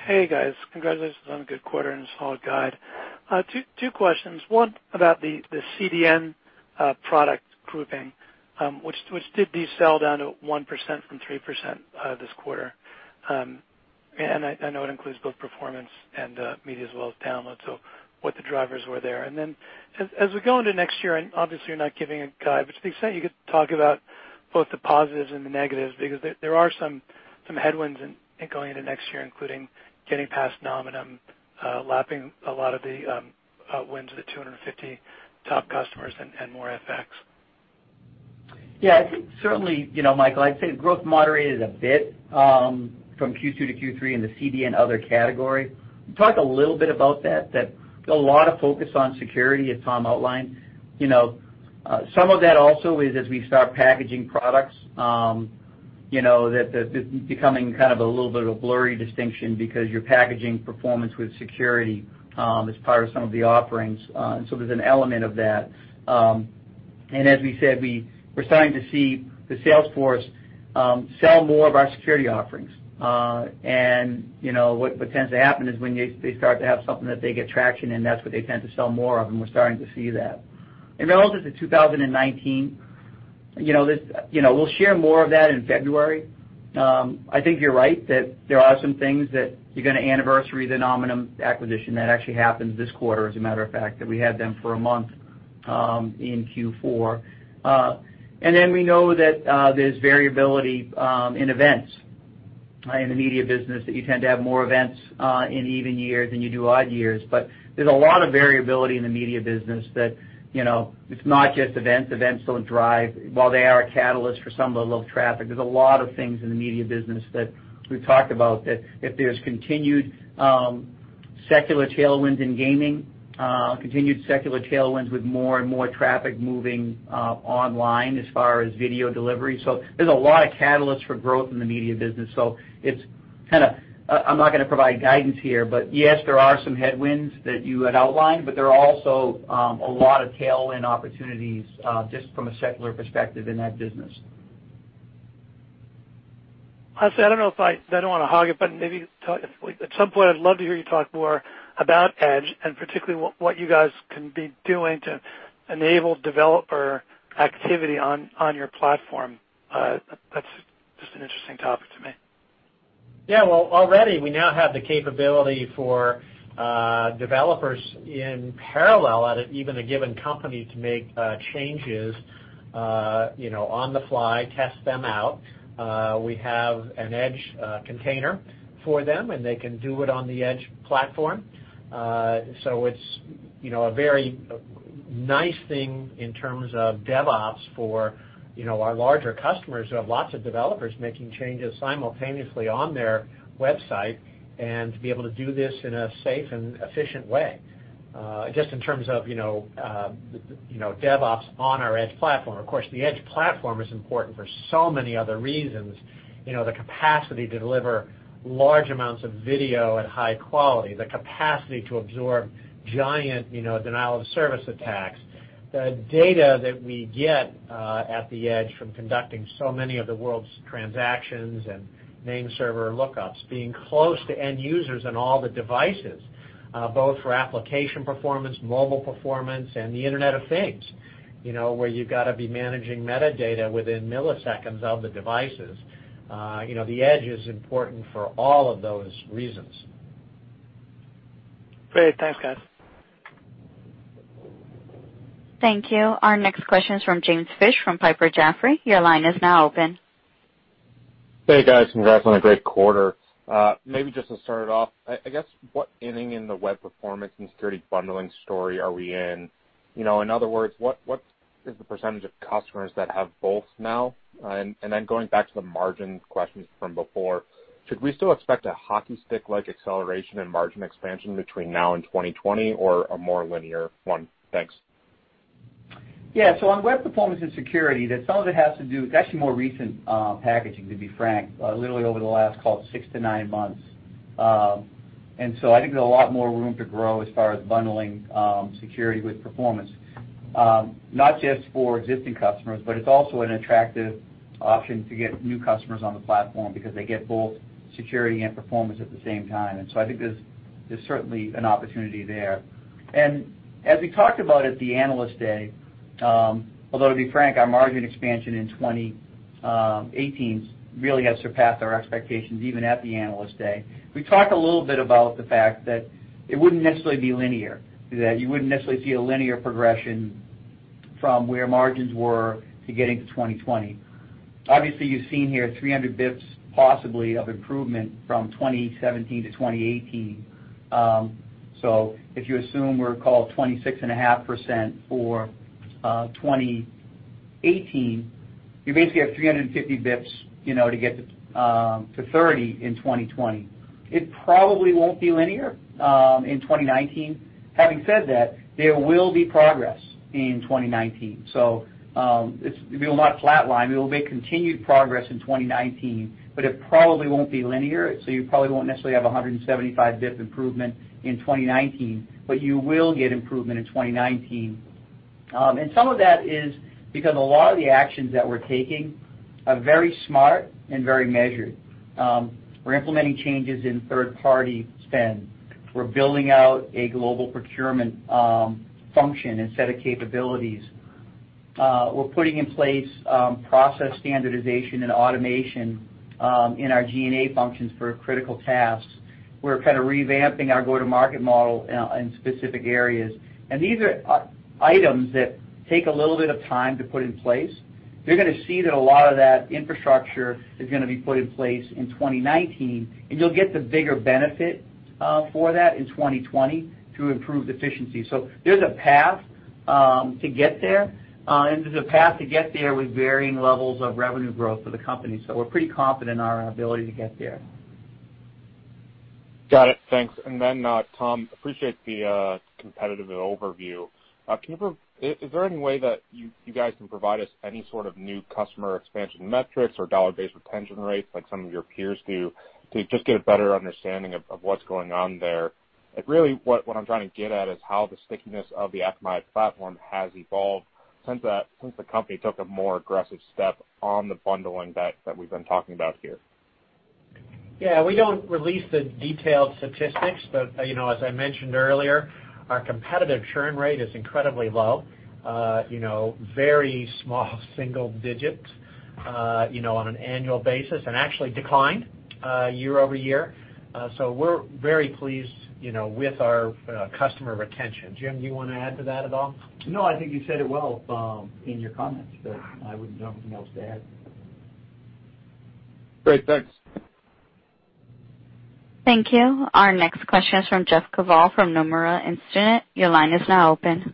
Hey, guys. Congratulations on a good quarter and a solid guide. Two questions. One about the CDN product grouping, which did sell down to 1% from 3% this quarter. I know it includes both performance and media as well as download, so what the drivers were there. As we go into next year, and obviously you're not giving a guide, but to the extent you could talk about both the positives and the negatives, because there are some headwinds in going into next year, including getting past Nominum, lapping a lot of the wins of the 250 top customers and more FX. Yeah, I think certainly, Michael, I'd say growth moderated a bit from Q2 to Q3 in the CDN other category. Talk a little bit about that a lot of focus on security, as Tom outlined. Some of that also is as we start packaging products, that it's becoming kind of a little bit of a blurry distinction because you're packaging performance with security as part of some of the offerings. There's an element of that. As we said, we're starting to see the sales force sell more of our security offerings. What tends to happen is when they start to have something that they get traction in, that's what they tend to sell more of, and we're starting to see that. In relative to 2019, we'll share more of that in February. I think you're right that there are some things that you're going to anniversary the Nominum acquisition. That actually happened this quarter, as a matter of fact, that we had them for a month in Q4. We know that there's variability in events in the media business, that you tend to have more events in even years than you do odd years. There's a lot of variability in the media business that it's not just events. Events don't drive. While they are a catalyst for some of the low traffic, there's a lot of things in the media business that we've talked about, that if there's continued secular tailwinds in gaming, continued secular tailwinds with more and more traffic moving online as far as video delivery. There's a lot of catalysts for growth in the media business. I'm not going to provide guidance here, but yes, there are some headwinds that you had outlined, but there are also a lot of tailwind opportunities, just from a secular perspective in that business. Honestly, I don't know if I don't want to hog it, but maybe at some point, I'd love to hear you talk more about Edge and particularly what you guys can be doing to enable developer activity on your platform. That's just an interesting topic to me. Already we now have the capability for developers in parallel at even a given company to make changes on the fly, test them out. We have an Edge container for them, and they can do it on the Edge platform. It's a very nice thing in terms of DevOps for our larger customers who have lots of developers making changes simultaneously on their website, and to be able to do this in a safe and efficient way. Just in terms of DevOps on our Edge platform. The Edge platform is important for so many other reasons. The capacity to deliver large amounts of video at high quality, the capacity to absorb giant denial-of-service attacks, the data that we get at the Edge from conducting so many of the world's transactions and name server lookups, being close to end users and all the devices, both for application performance, mobile performance, and the Internet of Things, where you've got to be managing metadata within milliseconds of the devices. The Edge is important for all of those reasons. Great. Thanks, guys. Thank you. Our next question is from James Fish from Piper Jaffray. Your line is now open. Hey, guys. Congrats on a great quarter. Maybe just to start it off, I guess, what inning in the web performance and security bundling story are we in? In other words, what is the % of customers that have both now? Going back to the margin questions from before, should we still expect a hockey stick-like acceleration and margin expansion between now and 2020 or a more linear one? Thanks. Yeah. On web performance and security, it's actually more recent packaging, to be frank, literally over the last, call it six to nine months. I think there's a lot more room to grow as far as bundling security with performance. Not just for existing customers, but it's also an attractive option to get new customers on the platform because they get both security and performance at the same time. I think there's certainly an opportunity there. As we talked about at the Analyst Day, although to be frank, our margin expansion in 2018 really has surpassed our expectations, even at the Analyst Day. We talked a little bit about the fact that it wouldn't necessarily be linear, that you wouldn't necessarily see a linear progression from where margins were to getting to 2020. Obviously, you've seen here 300 basis points possibly of improvement from 2017 to 2018. If you assume we're, call it 26.5% for 2018, you basically have 350 basis points to get to 30% in 2020. It probably won't be linear in 2019. Having said that, there will be progress in 2019. It will not flatline. We will make continued progress in 2019, but it probably won't be linear, you probably won't necessarily have 175 basis points improvement in 2019. But you will get improvement in 2019. Some of that is because a lot of the actions that we're taking are very smart and very measured. We're implementing changes in third-party spend. We're building out a global procurement function and set of capabilities. We're putting in place process standardization and automation in our G&A functions for critical tasks. We're revamping our go-to-market model in specific areas. These are items that take a little bit of time to put in place. You're going to see that a lot of that infrastructure is going to be put in place in 2019, and you'll get the bigger benefit for that in 2020 to improve efficiency. There's a path to get there, and there's a path to get there with varying levels of revenue growth for the company. We're pretty confident in our ability to get there. Got it. Thanks. Tom, appreciate the competitive overview. Is there any way that you guys can provide us any sort of new customer expansion metrics or dollar-based retention rates like some of your peers do to just get a better understanding of what's going on there? Really, what I'm trying to get at is how the stickiness of the Akamai platform has evolved since the company took a more aggressive step on the bundling that we've been talking about here. Yeah, we don't release the detailed statistics, as I mentioned earlier, our competitive churn rate is incredibly low. Very small single digits on an annual basis and actually declined year-over-year. We're very pleased with our customer retention. Jim, do you want to add to that at all? No, I think you said it well in your comments, but I would have nothing else to add. Great. Thanks. Thank you. Our next question is from Jeffrey Kvaal from Nomura Instinet. Your line is now open.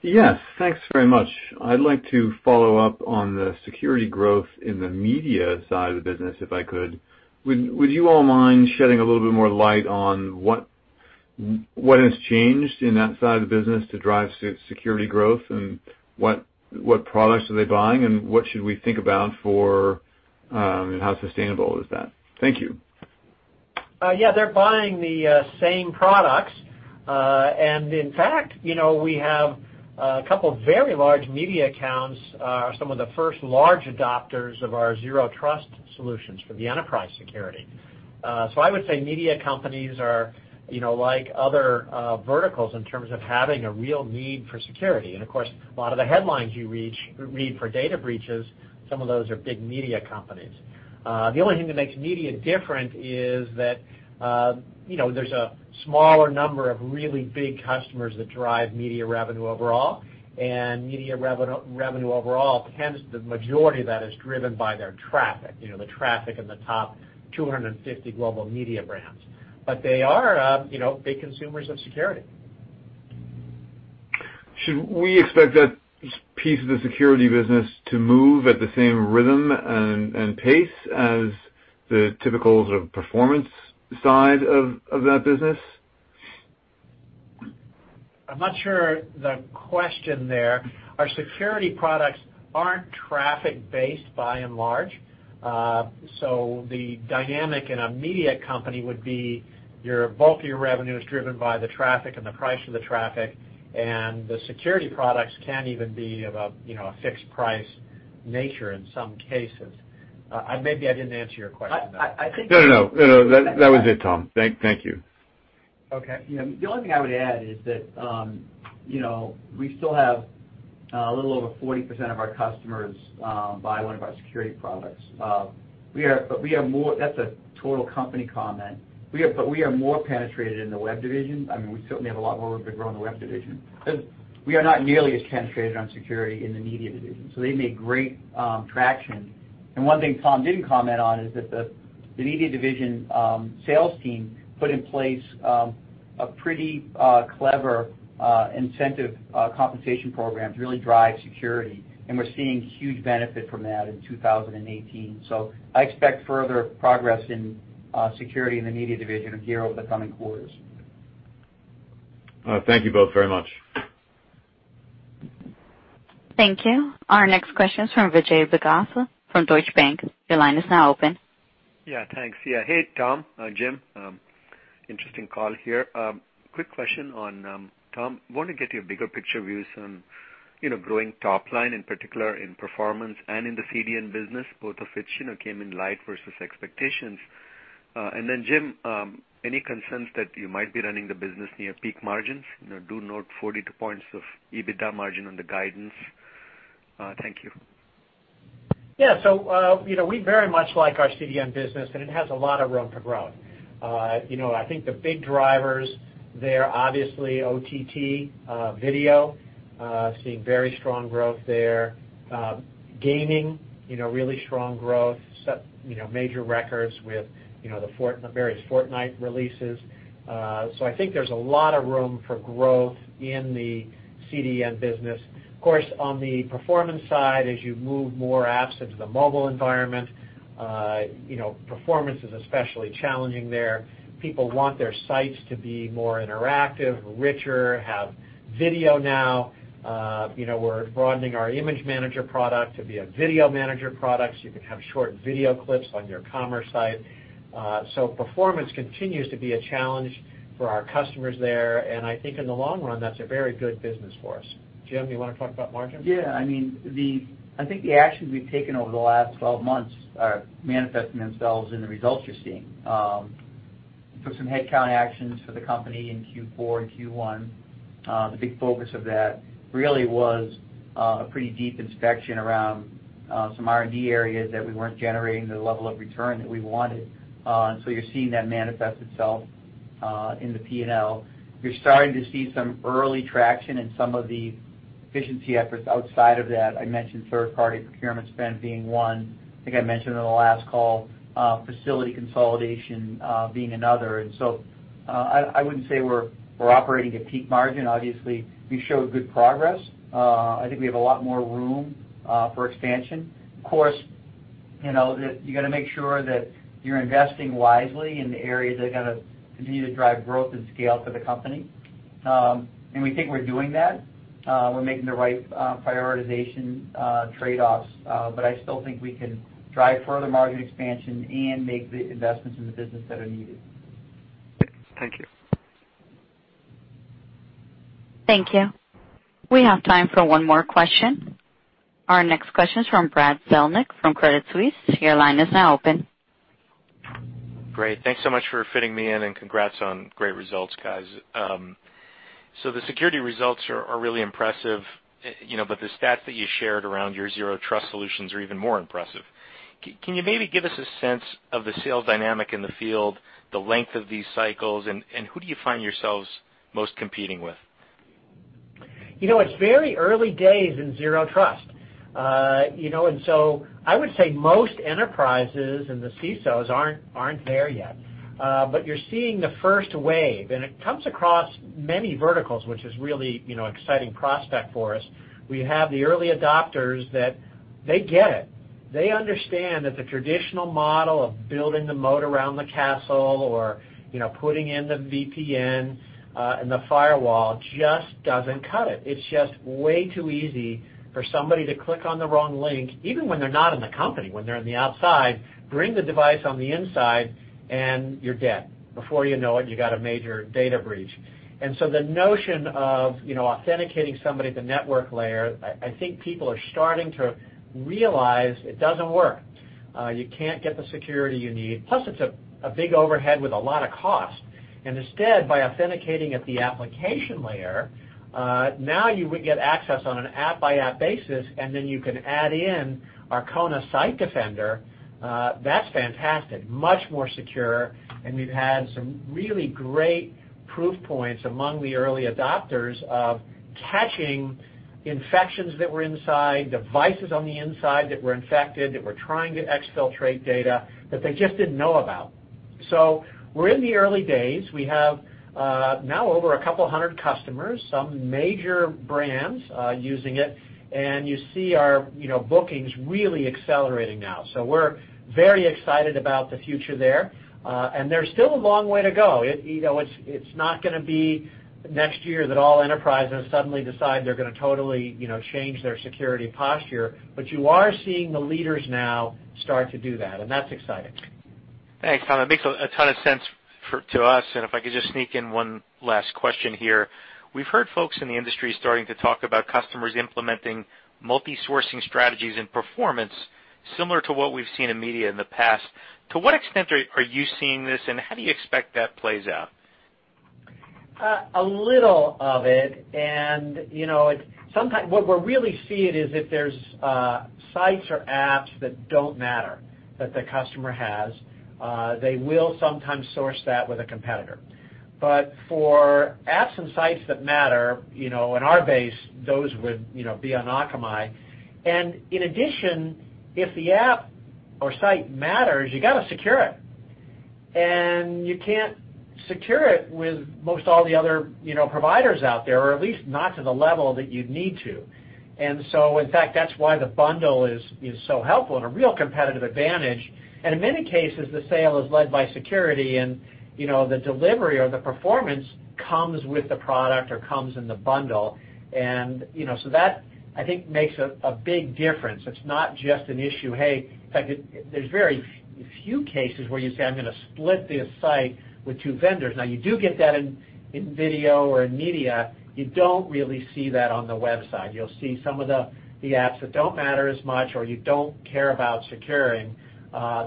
Yes, thanks very much. I'd like to follow up on the security growth in the media side of the business, if I could. Would you all mind shedding a little bit more light on what has changed in that side of the business to drive security growth, and what products are they buying, and what should we think about for how sustainable is that? Thank you. Yeah, they're buying the same products. In fact, we have a couple of very large media accounts, some of the first large adopters of our Zero Trust solutions for the enterprise security. I would say media companies are like other verticals in terms of having a real need for security. Of course, a lot of the headlines you read for data breaches, some of those are big media companies. The only thing that makes media different is that there's a smaller number of really big customers that drive media revenue overall, and media revenue overall, hence the majority of that is driven by their traffic, the traffic in the top 250 global media brands. They are big consumers of security. Should we expect that piece of the security business to move at the same rhythm and pace as the typical performance side of that business? I'm not sure the question there. Our security products aren't traffic-based by and large. The dynamic in a media company would be your bulk of your revenue is driven by the traffic and the price of the traffic, and the security products can even be of a fixed price nature in some cases. Maybe I didn't answer your question. No, that was it, Tom. Thank you. Okay. The only thing I would add is that we still have a little over 40% of our customers buy one of our security products. That's a total company comment. We are more penetrated in the web division. We certainly have a lot more room to grow in the web division. We are not nearly as penetrated on security in the media division, so they've made great traction. One thing Tom didn't comment on is that the media division sales team put in place a pretty clever incentive compensation program to really drive security, and we're seeing huge benefit from that in 2018. I expect further progress in security in the media division here over the coming quarters. Thank you both very much. Thank you. Our next question is from Vijay Bhagavat from Deutsche Bank. Your line is now open. Thanks. Hey, Tom, Jim. Interesting call here. Quick question on, Tom, want to get your bigger picture views on growing top line, in particular in performance and in the CDN business, both of which came in light versus expectations. Jim, any concerns that you might be running the business near peak margins? Do note 42 points of EBITDA margin on the guidance. Thank you. We very much like our CDN business, and it has a lot of room for growth. I think the big drivers there, obviously, OTT video, seeing very strong growth there. Gaming, really strong growth, set major records with the various Fortnite releases. I think there's a lot of room for growth in the CDN business. Of course, on the performance side, as you move more apps into the mobile environment, performance is especially challenging there. People want their sites to be more interactive, richer, have video now. We're broadening our Image Manager product to be a video manager product, so you can have short video clips on your commerce site. Performance continues to be a challenge for our customers there, and I think in the long run, that's a very good business for us. Jim, do you want to talk about margins? I think the actions we've taken over the last 12 months are manifesting themselves in the results you're seeing. We took some headcount actions for the company in Q4 and Q1. The big focus of that really was a pretty deep inspection around some R&D areas that we weren't generating the level of return that we wanted. You're seeing that manifest itself in the P&L. You're starting to see some early traction in some of the efficiency efforts outside of that. I mentioned third-party procurement spend being one. I think I mentioned in the last call, facility consolidation being another. I wouldn't say we're operating at peak margin. Obviously, we've showed good progress. I think we have a lot more room for expansion. Of course, you got to make sure that you're investing wisely in the areas that are going to continue to drive growth and scale for the company. We think we're doing that. We're making the right prioritization trade-offs. I still think we can drive further margin expansion and make the investments in the business that are needed. Thank you. Thank you. We have time for one more question. Our next question is from Brad Zelnick from Credit Suisse. Your line is now open. Great. Thanks so much for fitting me in, and congrats on great results, guys. The security results are really impressive, the stats that you shared around your Zero Trust solutions are even more impressive. Can you maybe give us a sense of the sales dynamic in the field, the length of these cycles, and who do you find yourselves most competing with? It's very early days in Zero Trust. I would say most enterprises and the CISOs aren't there yet. You're seeing the first wave, and it comes across many verticals, which is really exciting prospect for us. We have the early adopters that they get it. They understand that the traditional model of building the moat around the castle or putting in the VPN and the firewall just doesn't cut it. It's just way too easy for somebody to click on the wrong link, even when they're not in the company, when they're on the outside, bring the device on the inside, and you're dead. Before you know it, you got a major data breach. The notion of authenticating somebody at the network layer, I think people are starting to realize it doesn't work. You can't get the security you need. Plus it's a big overhead with a lot of cost. Instead, by authenticating at the application layer, now you would get access on an app-by-app basis, and then you can add in our Kona Site Defender. That's fantastic. Much more secure, and we've had some really great proof points among the early adopters of catching infections that were inside, devices on the inside that were infected, that were trying to exfiltrate data that they just didn't know about. We're in the early days. We have now over a couple of 100 customers, some major brands using it. You see our bookings really accelerating now. We're very excited about the future there. There's still a long way to go. It's not going to be next year that all enterprises suddenly decide they're going to totally change their security posture. You are seeing the leaders now start to do that, and that's exciting. Thanks, Tom. It makes a ton of sense to us. If I could just sneak in one last question here. We've heard folks in the industry starting to talk about customers implementing multi-sourcing strategies and performance similar to what we've seen in media in the past. To what extent are you seeing this, and how do you expect that plays out? A little of it. What we're really seeing is if there's sites or apps that don't matter that the customer has, they will sometimes source that with a competitor. For apps and sites that matter, in our base, those would be on Akamai. In addition, if the app or site matters, you got to secure it. You can't secure it with most all the other providers out there, or at least not to the level that you'd need to. In fact, that's why the bundle is so helpful and a real competitive advantage. In many cases, the sale is led by security, and the delivery or the performance comes with the product or comes in the bundle. That, I think, makes a big difference. It's not just an issue, in fact, there's very few cases where you say, "I'm going to split this site with two vendors." You do get that in video or in media. You don't really see that on the website. You'll see some of the apps that don't matter as much or you don't care about securing.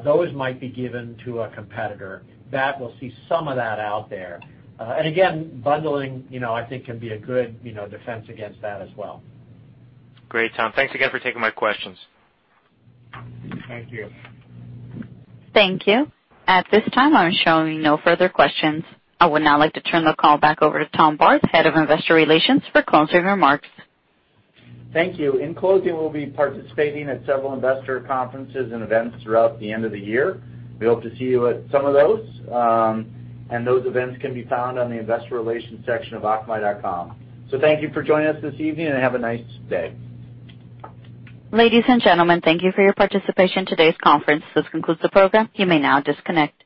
Those might be given to a competitor. That we'll see some of that out there. Again, bundling, I think, can be a good defense against that as well. Great, Tom. Thanks again for taking my questions. Thank you. Thank you. At this time, I'm showing no further questions. I would now like to turn the call back over to Tom Barth, Head of Investor Relations, for closing remarks. Thank you. In closing, we'll be participating at several investor conferences and events throughout the end of the year. We hope to see you at some of those. Those events can be found on the investor relations section of akamai.com. Thank you for joining us this evening, and have a nice day. Ladies and gentlemen, thank you for your participation in today's conference. This concludes the program. You may now disconnect.